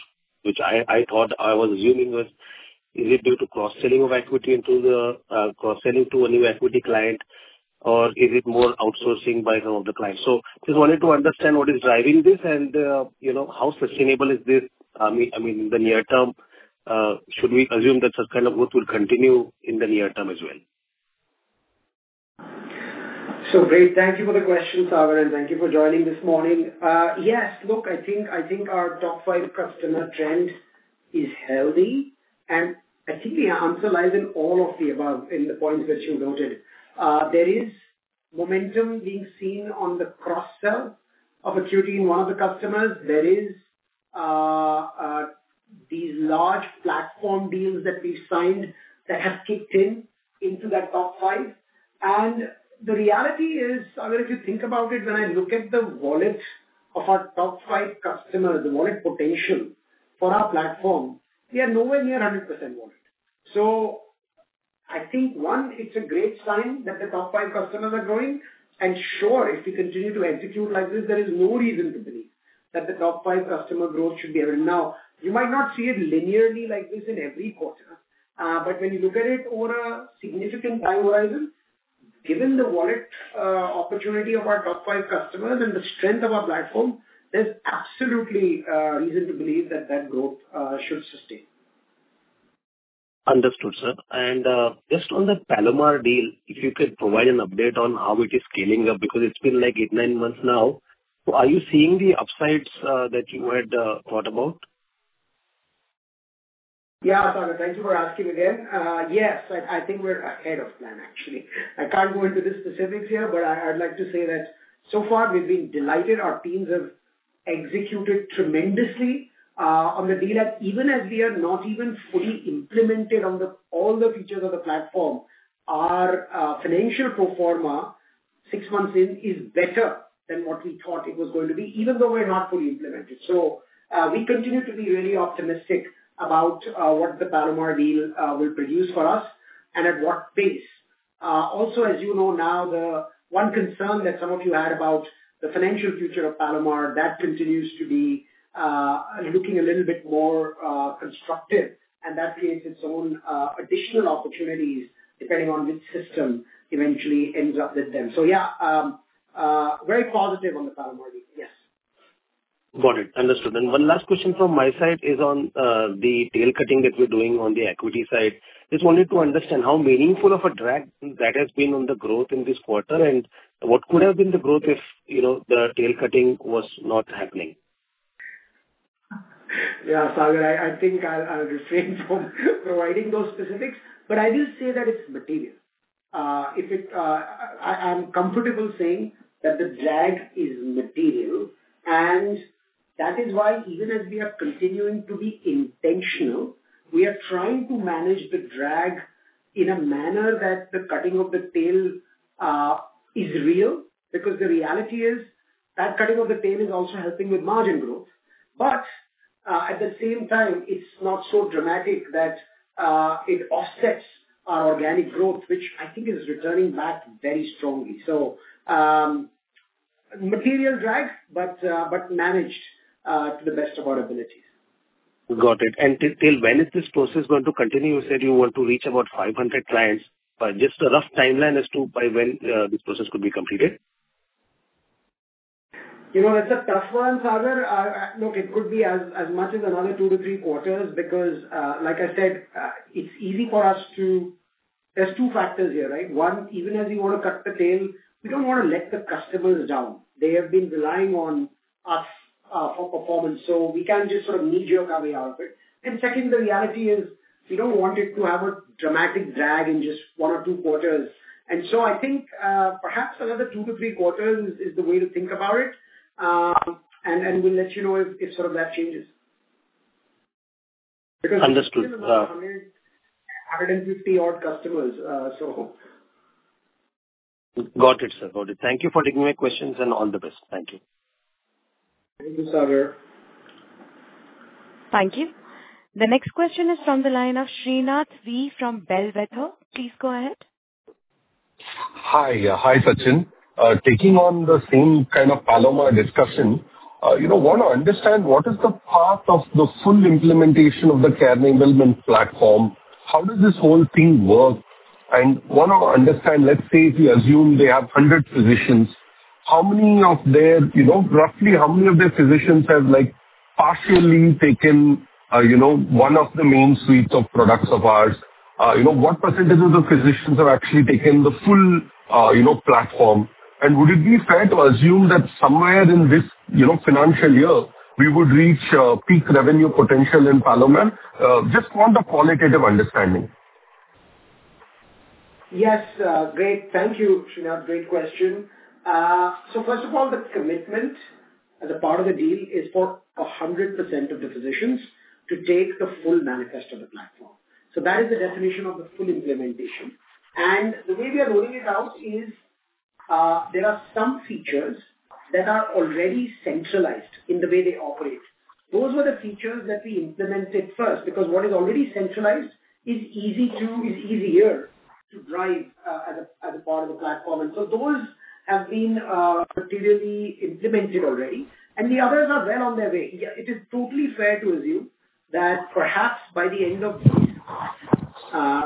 is it due to cross-selling of acute into the cross-selling to a new acute client, or is it more outsourcing by some of the clients? Just wanted to understand what is driving this and how sustainable is this. I mean, in the near term, should we assume that such kind of growth will continue in the near term as well? So great. Thank you for the question, Sagar, and thank you for joining this morning. Yes, look, I think our top five customer trend is healthy. And I think the answer lies in all of the above, in the points that you noted. There is momentum being seen on the cross-sell of AQuity in one of the customers. There are these large platform deals that we've signed that have kicked in into that top five. And the reality is, I mean, if you think about it, when I look at the wallet of our top five customers, the wallet potential for our platform, we are nowhere near 100% wallet. So I think, one, it's a great sign that the top five customers are growing. And sure, if we continue to execute like this, there is no reason to believe that the top five customer growth should be heavy. Now, you might not see it linearly like this in every quarter, but when you look at it over a significant time horizon, given the wallet opportunity of our top five customers and the strength of our platform, there's absolutely reason to believe that that growth should sustain. Understood, sir, and just on the Palomar deal, if you could provide an update on how it is scaling up because it's been like eight, nine months now, so are you seeing the upsides that you had thought about? Yeah, Sagar, thank you for asking again. Yes, I think we're ahead of plan, actually. I can't go into the specifics here, but I'd like to say that so far, we've been delighted. Our teams have executed tremendously on the deal that even as we are not even fully implemented on all the features of the platform, our financial pro forma six months in is better than what we thought it was going to be, even though we're not fully implemented. So we continue to be really optimistic about what the Palomar deal will produce for us and at what pace. Also, as you know now, the one concern that some of you had about the financial future of Palomar, that continues to be looking a little bit more constructive, and that creates its own additional opportunities depending on which system eventually ends up with them. So yeah, very positive on the Palomar deal. Yes. Got it. Understood. And one last question from my side is on the tail cutting that we're doing on the AQuity side. Just wanted to understand how meaningful of a drag that has been on the growth in this quarter, and what could have been the growth if the tail cutting was not happening? Yeah, Sagar, I think I'll refrain from providing those specifics, but I will say that it's material. I'm comfortable saying that the drag is material, and that is why even as we are continuing to be intentional, we are trying to manage the drag in a manner that the cutting of the tail is real because the reality is that cutting of the tail is also helping with margin growth. But at the same time, it's not so dramatic that it offsets our organic growth, which I think is returning back very strongly. So material drag, but managed to the best of our abilities. Got it. And till when is this process going to continue? You said you want to reach about 500 clients, but just a rough timeline as to by when this process could be completed? That's a tough one, Sagar. Look, it could be as much as another two to three quarters because, like I said, there's two factors here, right? One, even as we want to cut the tail, we don't want to let the customers down. They have been relying on us for performance, so we can't just sort of knee-jerk our way out of it. And second, the reality is we don't want it to have a dramatic drag in just one or two quarters. And so I think perhaps another two to three quarters is the way to think about it, and we'll let you know if sort of that changes. Understood. We have 150-odd customers, so. Got it, sir. Got it. Thank you for taking my questions and all the best. Thank you. Thank you, Sagar. Thank you. The next question is from the line of Srinath V from Bellwether. Please go ahead. Hi. Hi, Sachin. Taking on the same kind of Palomar discussion, I want to understand what is the path of the full implementation of the care enablement platform? How does this whole thing work? And I want to understand, let's say if you assume they have 100 physicians, roughly how many of their physicians have partially taken one of the main suites of products of ours? What percentage of the physicians have actually taken the full platform? And would it be fair to assume that somewhere in this financial year, we would reach peak revenue potential in Palomar? Just want a qualitative understanding. Yes. Great. Thank you, Srinath. Great question. So first of all, the commitment as a part of the deal is for 100% of the physicians to take the full manifest of the platform. So that is the definition of the full implementation. And the way we are rolling it out is there are some features that are already centralized in the way they operate. Those were the features that we implemented first because what is already centralized is easier to drive as a part of the platform. And so those have been materially implemented already, and the others are well on their way. It is totally fair to assume that perhaps by the end of this,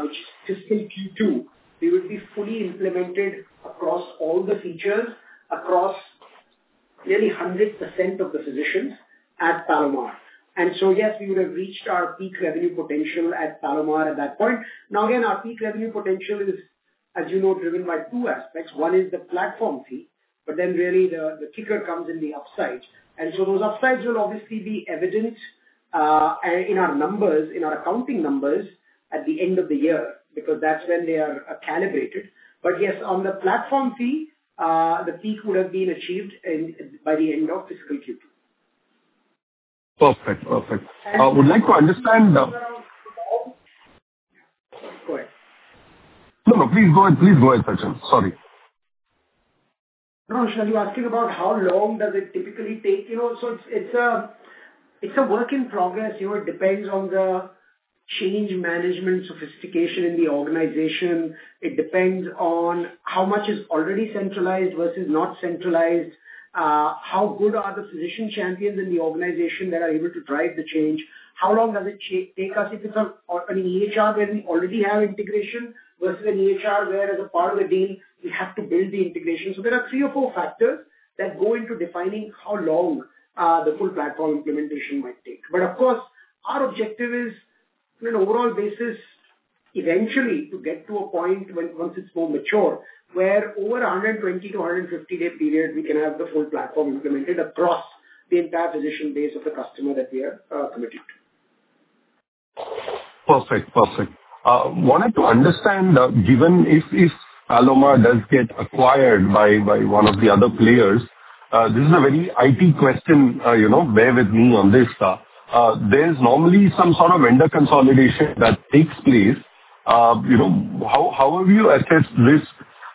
which is fiscal Q2, we would be fully implemented across all the features, across nearly 100% of the physicians at Palomar. And so yes, we would have reached our peak revenue potential at Palomar at that point. Now, again, our peak revenue potential is, as you know, driven by two aspects. One is the platform fee, but then really the kicker comes in the upsides. And so those upsides will obviously be evident in our numbers, in our accounting numbers at the end of the year because that's when they are calibrated. But yes, on the platform fee, the peak would have been achieved by the end of fiscal Q2. Perfect. Perfect. I would like to understand. Go ahead. No, no. Please go ahead. Please go ahead, Sachin. Sorry. No, Srinath, you're asking about how long does it typically take. So it's a work in progress. It depends on the change management sophistication in the organization. It depends on how much is already centralized versus not centralized, how good are the physician champions in the organization that are able to drive the change, how long does it take us if it's an EHR where we already have integration versus an EHR where as a part of the deal, we have to build the integration. So there are three or four factors that go into defining how long the full platform implementation might take. But of course, our objective is, on an overall basis, eventually to get to a point once it's more mature where over a 120-150-day period, we can have the full platform implemented across the entire physician base of the customer that we are committed to. Perfect. Perfect. Wanted to understand, given if Palomar does get acquired by one of the other players, this is a very IT question. Bear with me on this. There's normally some sort of vendor consolidation that takes place. How have you assessed this?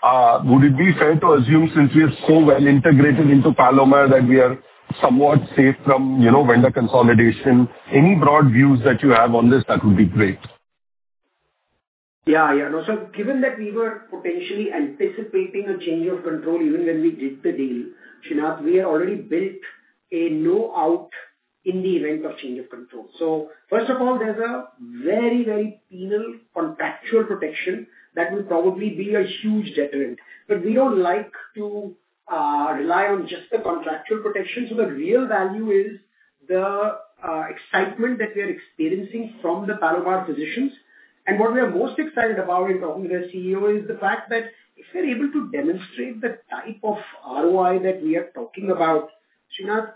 Would it be fair to assume since we are so well integrated into Palomar that we are somewhat safe from vendor consolidation? Any broad views that you have on this? That would be great. Yeah. Yeah. No, so given that we were potentially anticipating a change of control, even when we did the deal, Srinath, we had already built a no-out in the event of change of control. So first of all, there's a very, very penal contractual protection that will probably be a huge deterrent. But we don't like to rely on just the contractual protection. So the real value is the excitement that we are experiencing from the Palomar physicians. And what we are most excited about in talking to their CEO is the fact that if we're able to demonstrate the type of ROI that we are talking about, Srinath,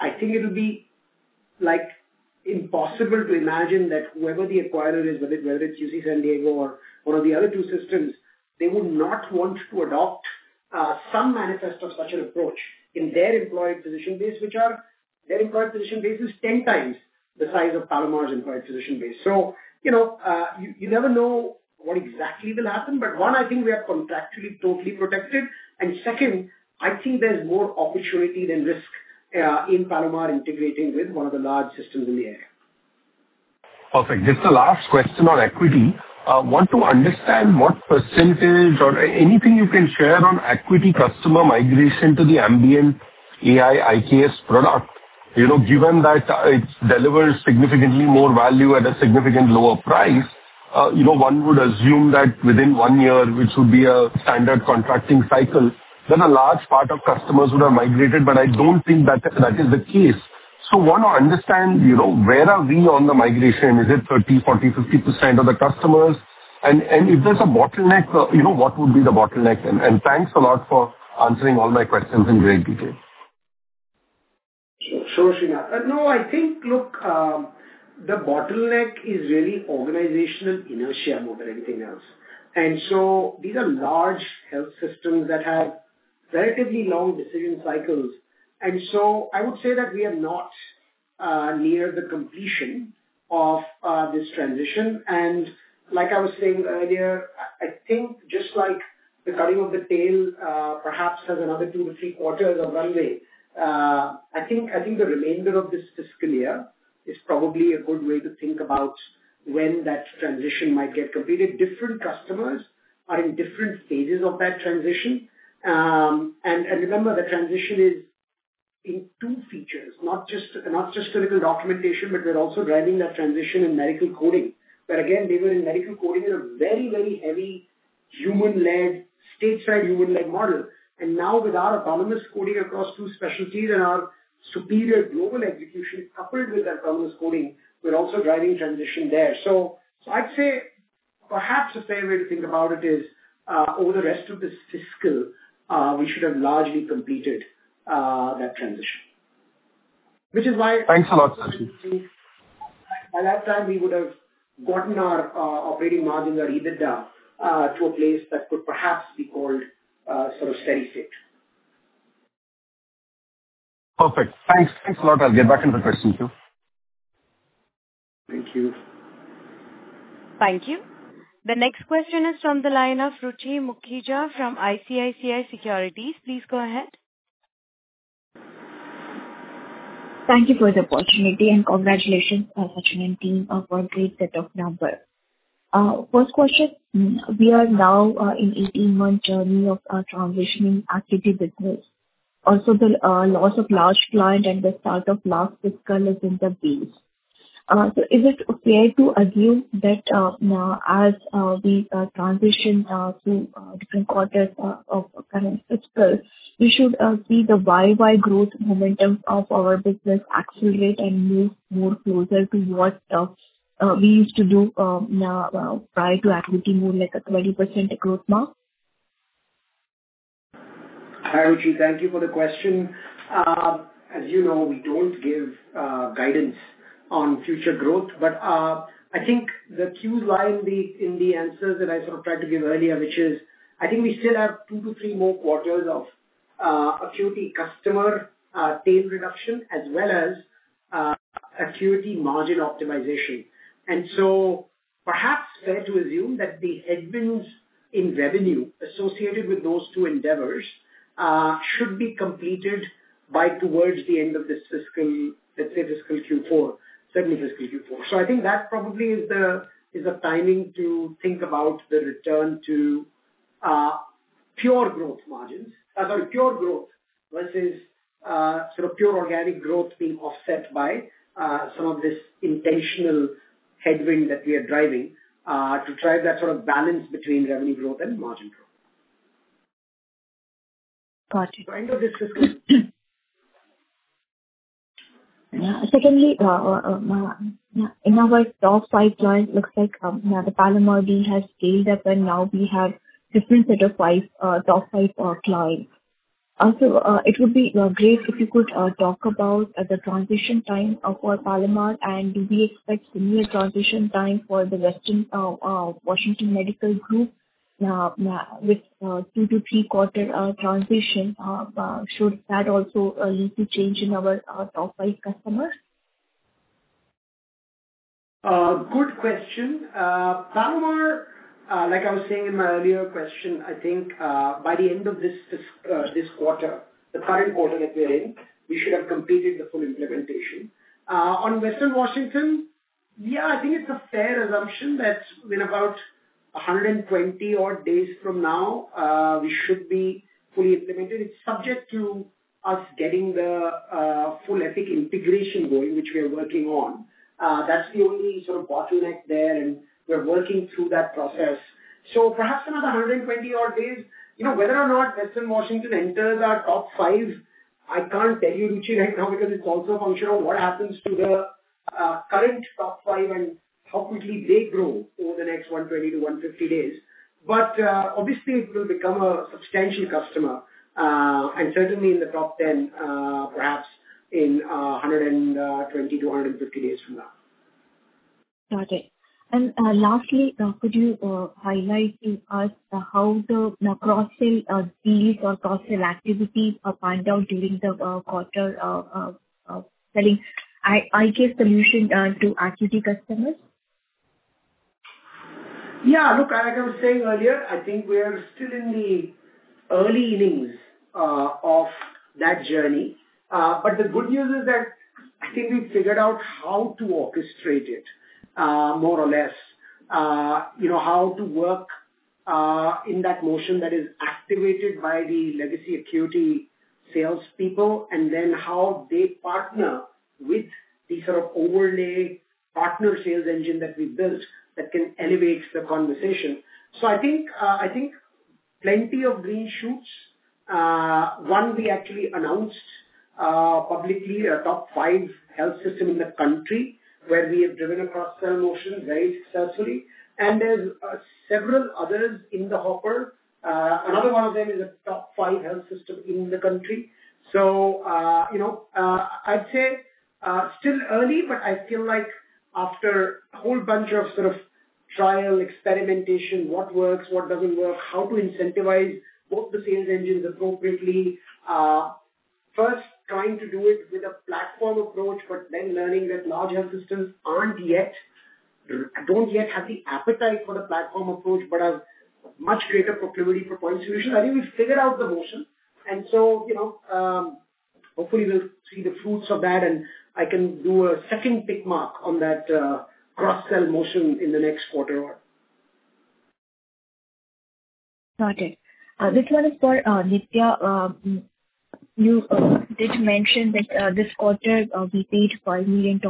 I think it will be impossible to imagine that whoever the acquirer is, whether it's UC San Diego or one of the other two systems, they would not want to adopt some manifest of such an approach in their employed physician base, which is 10 times the size of Palomar's employed physician base. You never know what exactly will happen, but one, I think we are contractually totally protected. And second, I think there's more opportunity than risk in Palomar integrating with one of the large systems in the area. Perfect. Just the last question on AQuity. I want to understand what percentage or anything you can share on AQuity customer migration to the Ambient AI IKS product. Given that it delivers significantly more value at a significantly lower price, one would assume that within one year, which would be a standard contracting cycle, then a large part of customers would have migrated, but I don't think that is the case. So I want to understand where are we on the migration? Is it 30%, 40%, 50% of the customers? And if there's a bottleneck, what would be the bottleneck? And thanks a lot for answering all my questions in great detail. Sure, Srinath. No, I think, look, the bottleneck is really organizational inertia more than anything else. And so these are large health systems that have relatively long decision cycles. And so I would say that we are not near the completion of this transition. And like I was saying earlier, I think just like the cutting of the tail perhaps has another two to three quarters of runway. I think the remainder of this fiscal year is probably a good way to think about when that transition might get completed. Different customers are in different phases of that transition. And remember, the transition is in two features, not just clinical documentation, but we're also driving that transition in medical coding. But again, they were in medical coding in a very, very heavy human-led, stateside human-led model. And now with our autonomous coding across two specialties and our superior global execution coupled with autonomous coding, we're also driving transition there. So I'd say perhaps a fair way to think about it is over the rest of this fiscal, we should have largely completed that transition, which is why. Thanks a lot, Sachin. By that time, we would have gotten our operating margins at EBITDA to a place that could perhaps be called sort of steady state. Perfect. Thanks. Thanks a lot. I'll get back into the questions too. Thank you. Thank you. The next question is from the line of Ruchi Mukhija from ICICI Securities. Please go ahead. Thank you for the opportunity and congratulations to our Sachin and team of a great set of numbers. First question, we are now in an 18-month journey of transitioning AQuity business. Also, the loss of large clients and the start of last fiscal is in the base. So is it fair to assume that now as we transition to different quarters of current fiscal, we should see the year-on-year growth momentum of our business accelerate and move more closer to what we used to do prior to AQuity moving like a 20% growth mark? Hi, Ruchi. Thank you for the question. As you know, we don't give guidance on future growth, but I think the clue's lying in the answers that I sort of tried to give earlier, which is I think we still have two to three more quarters of AQuity customer tail reduction as well as AQuity margin optimization. And so perhaps fair to assume that the headwinds in revenue associated with those two endeavors should be completed by towards the end of this fiscal, let's say, fiscal Q4, certainly fiscal Q4. So I think that probably is the timing to think about the return to pure growth margins, sorry, pure growth versus sort of pure organic growth being offset by some of this intentional headwind that we are driving to drive that sort of balance between revenue growth and margin growth. Got it. Yeah. Secondly, in our top five clients, it looks like the Palomar deal has scaled up, and now we have different set of top five clients. Also, it would be great if you could talk about the transition time for Palomar, and do we expect similar transition time for the Western Washington Medical Group with two to three-quarter transition? Should that also lead to change in our top five customers? Good question. Palomar, like I was saying in my earlier question, I think by the end of this quarter, the current quarter that we're in, we should have completed the full implementation. On Western Washington, yeah, I think it's a fair assumption that in about 120-odd days from now, we should be fully implemented. It's subject to us getting the full EHR integration going, which we are working on. That's the only sort of bottleneck there, and we're working through that process, so perhaps another 120-odd days. Whether or not Western Washington enters our top five, I can't tell you, Ruchi, right now, because it's also a function of what happens to the current top five and how quickly they grow over the next 120 to 150 days. But obviously, it will become a substantial customer, and certainly in the top 10, perhaps in 120 to 150 days from now. Got it. And lastly, could you highlight to us how the cross-sell deals or cross-sell activities panned out during the quarter selling IKS solution to existing customers? Yeah. Look, like I was saying earlier, I think we are still in the early innings of that journey. But the good news is that I think we've figured out how to orchestrate it, more or less, how to work in that motion that is activated by the legacy AQuity salespeople, and then how they partner with the sort of overlay partner sales engine that we built that can elevate the conversation. So I think plenty of green shoots. One, we actually announced publicly a top five health system in the country where we have driven a cross-sell motion very successfully. And there's several others in the hopper. Another one of them is a top five health system in the country. So I'd say still early, but I feel like after a whole bunch of sort of trial experimentation, what works, what doesn't work, how to incentivize both the sales engines appropriately, first trying to do it with a platform approach, but then learning that large health systems don't yet have the appetite for the platform approach, but have much greater proclivity for point solutions. I think we've figured out the motion. And so hopefully, we'll see the fruits of that, and I can do a second tick mark on that cross-sell motion in the next quarter or. Got it. This one is for Nithya. You did mention that this quarter, we paid $5 million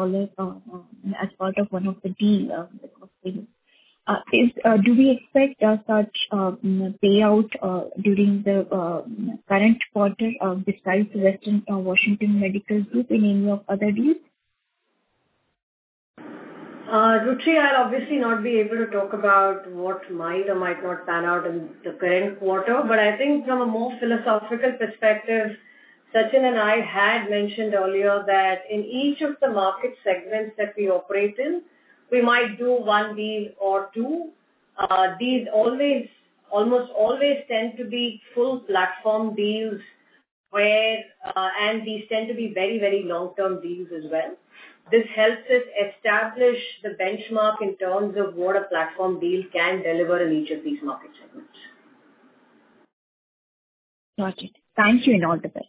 as part of one of the deals. Do we expect such payout during the current quarter besides Western Washington Medical Group in any of the other deals? Ruchi, I'll obviously not be able to talk about what might or might not pan out in the current quarter, but I think from a more philosophical perspective, Sachin and I had mentioned earlier that in each of the market segments that we operate in, we might do one deal or two. These almost always tend to be full platform deals, and these tend to be very, very long-term deals as well. This helps us establish the benchmark in terms of what a platform deal can deliver in each of these market segments. Got it. Thank you, and all the best.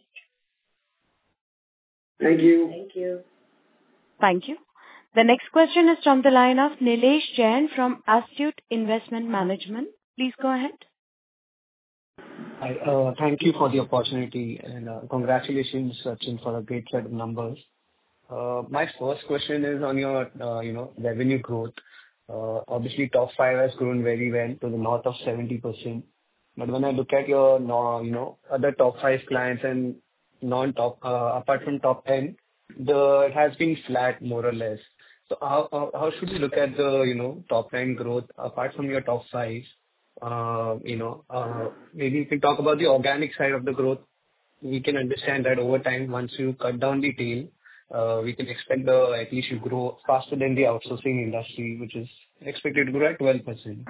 Thank you. Thank you. Thank you. The next question is from the line of Nilesh Jain from Astute Investment Management. Please go ahead. Hi. Thank you for the opportunity, and congratulations, Sachin, for a great set of numbers. My first question is on your revenue growth. Obviously, top five has grown very well to the north of 70%. But when I look at your other top five clients and apart from top 10, it has been flat, more or less. So how should we look at the top 10 growth apart from your top five? Maybe you can talk about the organic side of the growth. We can understand that over time, once you cut down the tail, we can expect at least you grow faster than the outsourcing industry, which is expected to grow at 12%.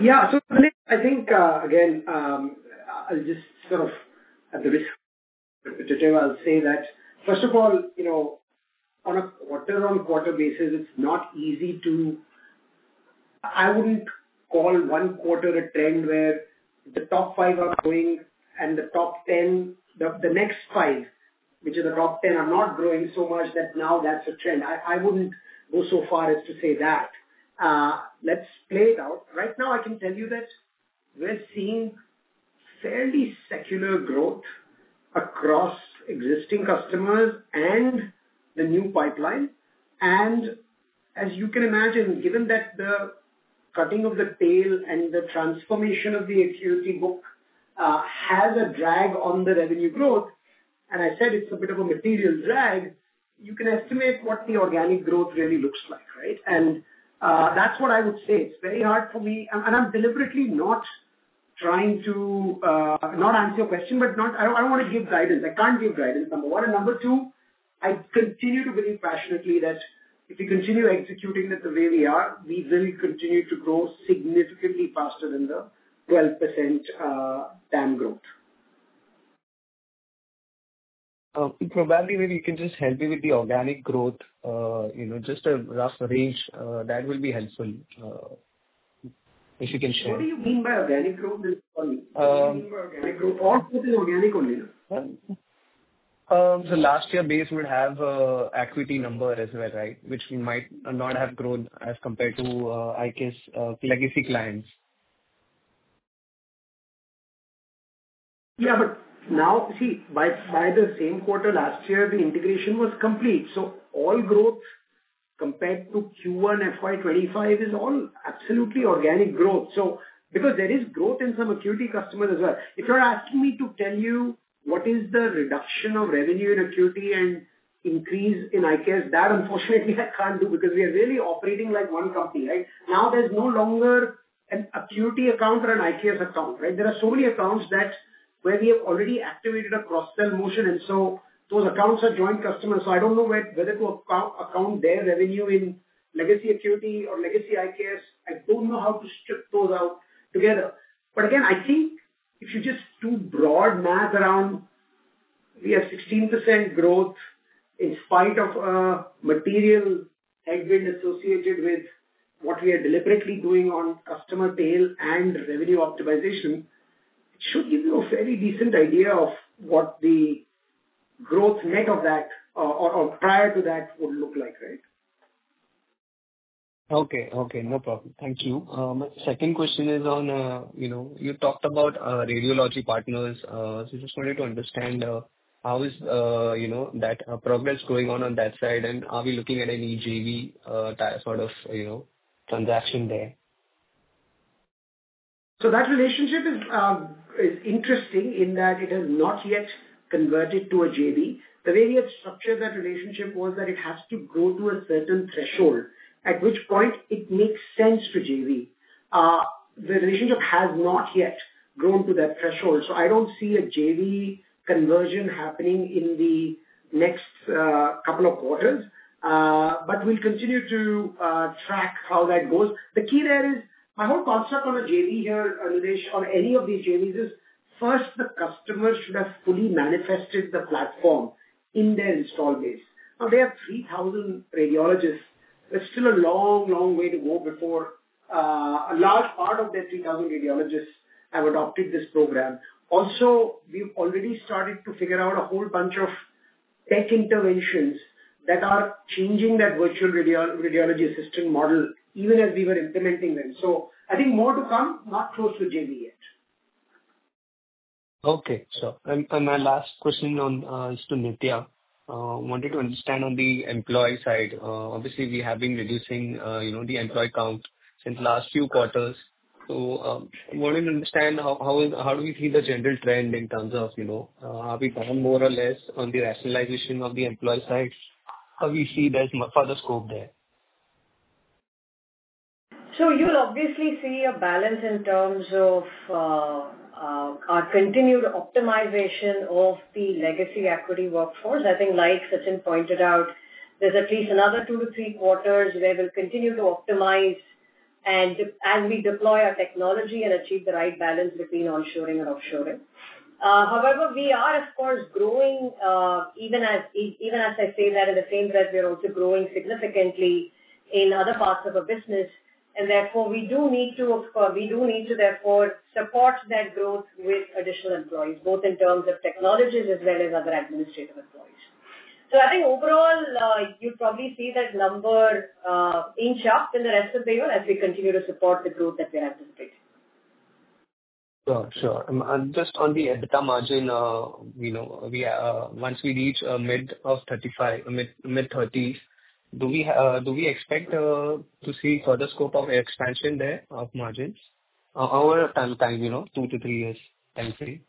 Yeah. So I think, again, I'll just sort of at the risk of repetitive, I'll say that first of all, on a quarter-on-quarter basis, it's not easy to. I wouldn't call one quarter a trend where the top five are growing and the top 10, the next five, which are the top 10, are not growing so much that now that's a trend. I wouldn't go so far as to say that. Let's play it out. Right now, I can tell you that we're seeing fairly secular growth across existing customers and the new pipeline. And as you can imagine, given that the cutting of the tail and the transformation of the AQuity book has a drag on the revenue growth, and I said it's a bit of a material drag, you can estimate what the organic growth really looks like, right? And that's what I would say. It's very hard for me, and I'm deliberately not trying to not answer your question, but I don't want to give guidance. I can't give guidance, number one, and number two, I continue to believe passionately that if we continue executing it the way we are, we will continue to grow significantly faster than the 12% TAM growth. Probably maybe you can just help me with the organic growth. Just a rough range, that will be helpful if you can share. What do you mean by organic growth? What do you mean by organic growth? All focus on organic only, no? Last year, base would have an AQuity number as well, right, which might not have grown as compared to, I guess, legacy clients. Yeah, but now, see, by the same quarter last year, the integration was complete. So all growth compared to Q1 FY 2025 is all absolutely organic growth. So because there is growth in some AQuity customers as well. If you're asking me to tell you what is the reduction of revenue in AQuity and increase in IKS, that, unfortunately, I can't do because we are really operating like one company, right? Now there's no longer an AQuity account or an IKS account, right? There are so many accounts where we have already activated a cross-sell motion, and so those accounts are joint customers. So I don't know whether to account their revenue in legacy AQuity or legacy IKS. I don't know how to strip those out together. But again, I think if you just do broad math around, we have 16% growth in spite of material headwind associated with what we are deliberately doing on customer tail and revenue optimization. It should give you a fairly decent idea of what the growth net of that or prior to that would look like, right? Okay. Okay. No problem. Thank you. My second question is on you talked about Radiology Partners. So I just wanted to understand how is that progress going on on that side, and are we looking at any JV sort of transaction there? So that relationship is interesting in that it has not yet converted to a JV. The way we have structured that relationship was that it has to grow to a certain threshold, at which point it makes sense to JV. The relationship has not yet grown to that threshold. So I don't see a JV conversion happening in the next couple of quarters, but we'll continue to track how that goes. The key there is my whole concept on a JV here, Nilesh, on any of these JVs is first, the customer should have fully manifested the platform in their installed base. Now, they have 3,000 radiologists. There's still a long, long way to go before a large part of their 3,000 radiologists have adopted this program. Also, we've already started to figure out a whole bunch of tech interventions that are changing that Virtual Radiology Assistant model even as we were implementing them. So I think more to come, not close to JV yet. Okay. So my last question is to Nithya. I wanted to understand on the employee side. Obviously, we have been reducing the employee count since the last few quarters. So I wanted to understand how do we see the general trend in terms of have we gone more or less on the rationalization of the employee side? How do we see there's further scope there? So you'll obviously see a balance in terms of our continued optimization of the legacy AQuity workforce. I think, like Sachin pointed out, there's at least another two to three quarters where we'll continue to optimize as we deploy our technology and achieve the right balance between onshoring and offshoring. However, we are, of course, growing, even as I say that in the same breath, we're also growing significantly in other parts of our business. And therefore, we do need to—we do need to, therefore, support that growth with additional employees, both in terms of technologies as well as other administrative employees. So I think overall, you'd probably see that number inch up in the rest of the year as we continue to support the growth that we're anticipating. Sure. Sure. And just on the EBITDA margin, once we reach mid-30s, do we expect to see further scope of expansion there of margins over time? Two to three years, time frame?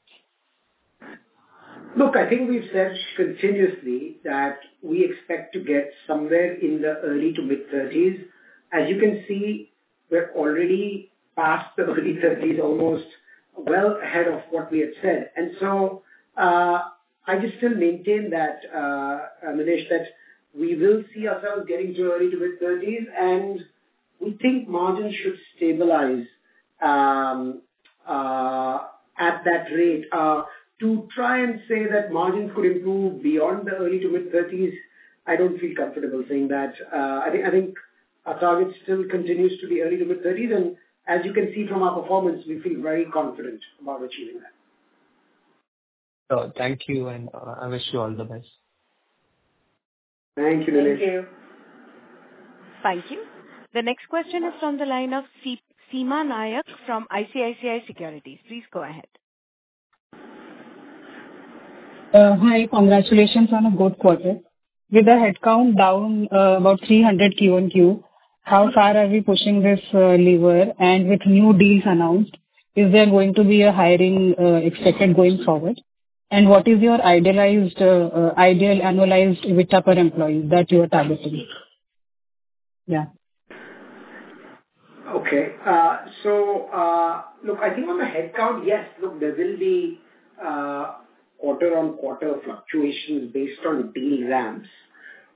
Look, I think we've said continuously that we expect to get somewhere in the early to mid 30s. As you can see, we're already past the early 30s, almost well ahead of what we had said. And so I just still maintain that, Nilesh, that we will see ourselves getting to early to mid 30s, and we think margins should stabilize at that rate. To try and say that margins could improve beyond the early to mid 30s, I don't feel comfortable saying that. I think our target still continues to be early to mid 30s. And as you can see from our performance, we feel very confident about achieving that. So thank you, and I wish you all the best. Thank you, Nilesh. Thank you. Thank you. The next question is from the line of Seema Nayak from ICICI Securities. Please go ahead. Hi. Congratulations on a good quarter. With the headcount down about 300 quarter-on-quarter, how far are we pushing this lever? And with new deals announced, is there going to be a hiring expected going forward? And what is your idealized ideal annualized EBITDA per employee that you are targeting? Yeah. Okay. So look, I think on the headcount, yes, look, there will be quarter-on-quarter fluctuations based on deal ramps,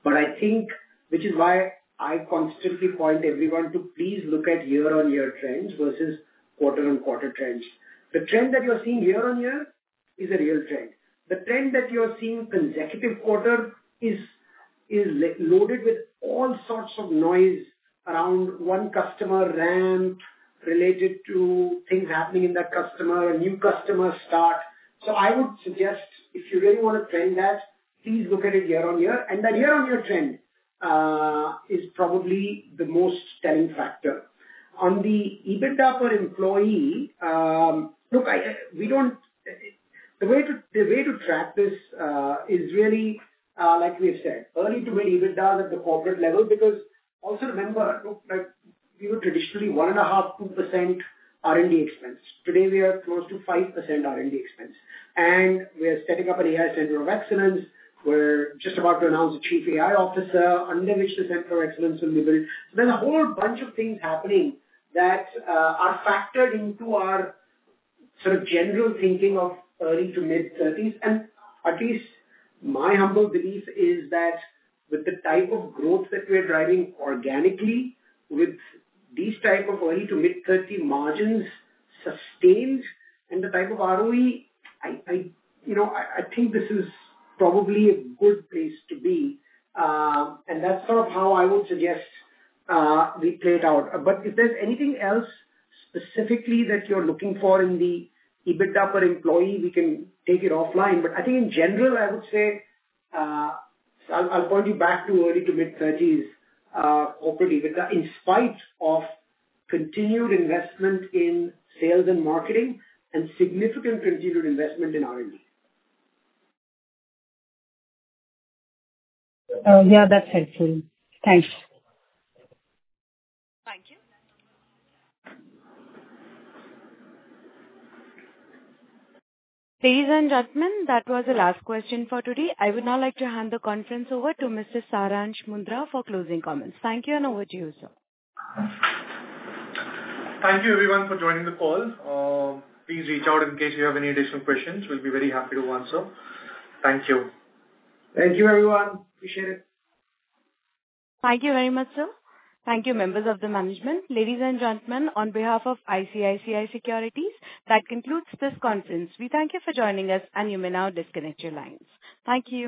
which is why I constantly point everyone to please look at year-on-year trends versus quarter-on-quarter trends. The trend that you're seeing year-on-year is a real trend. The trend that you're seeing consecutive quarter is loaded with all sorts of noise around one customer ramp related to things happening in that customer, a new customer start. So I would suggest if you really want to trend that, please look at it year-on-year. And that year-on-year trend is probably the most telling factor. On the EBITDA per employee, look, the way to track this is really, like we have said, early to mid EBITDAs at the corporate level because also remember, look, we were traditionally 1.5%, 2% R&D expense. Today, we are close to 5% R&D expense. We are setting up an AI Center of Excellence. We're just about to announce a Chief AI Officer under which the Center of Excellence will be built. There's a whole bunch of things happening that are factored into our sort of general thinking of early to mid 30s. At least my humble belief is that with the type of growth that we're driving organically with these type of early to mid 30 margins sustained and the type of ROE, I think this is probably a good place to be. That's sort of how I would suggest we play it out. If there's anything else specifically that you're looking for in the EBITDA per employee, we can take it offline. But I think in general, I would say I'll point you back to early to mid 30s corporate EBITDA in spite of continued investment in sales and marketing and significant continued investment in R&D. Yeah, that's helpful. Thanks. Thank you. Ladies and gentlemen, that was the last question for today. I would now like to hand the conference over to Mr. Saransh Mundra for closing comments. Thank you, and over to you, sir. Thank you, everyone, for joining the call. Please reach out in case you have any additional questions. We'll be very happy to answer. Thank you. Thank you, everyone. Appreciate it. Thank you very much, sir. Thank you, members of the management. Ladies and gentlemen, on behalf of ICICI Securities, that concludes this conference. We thank you for joining us, and you may now disconnect your lines. Thank you.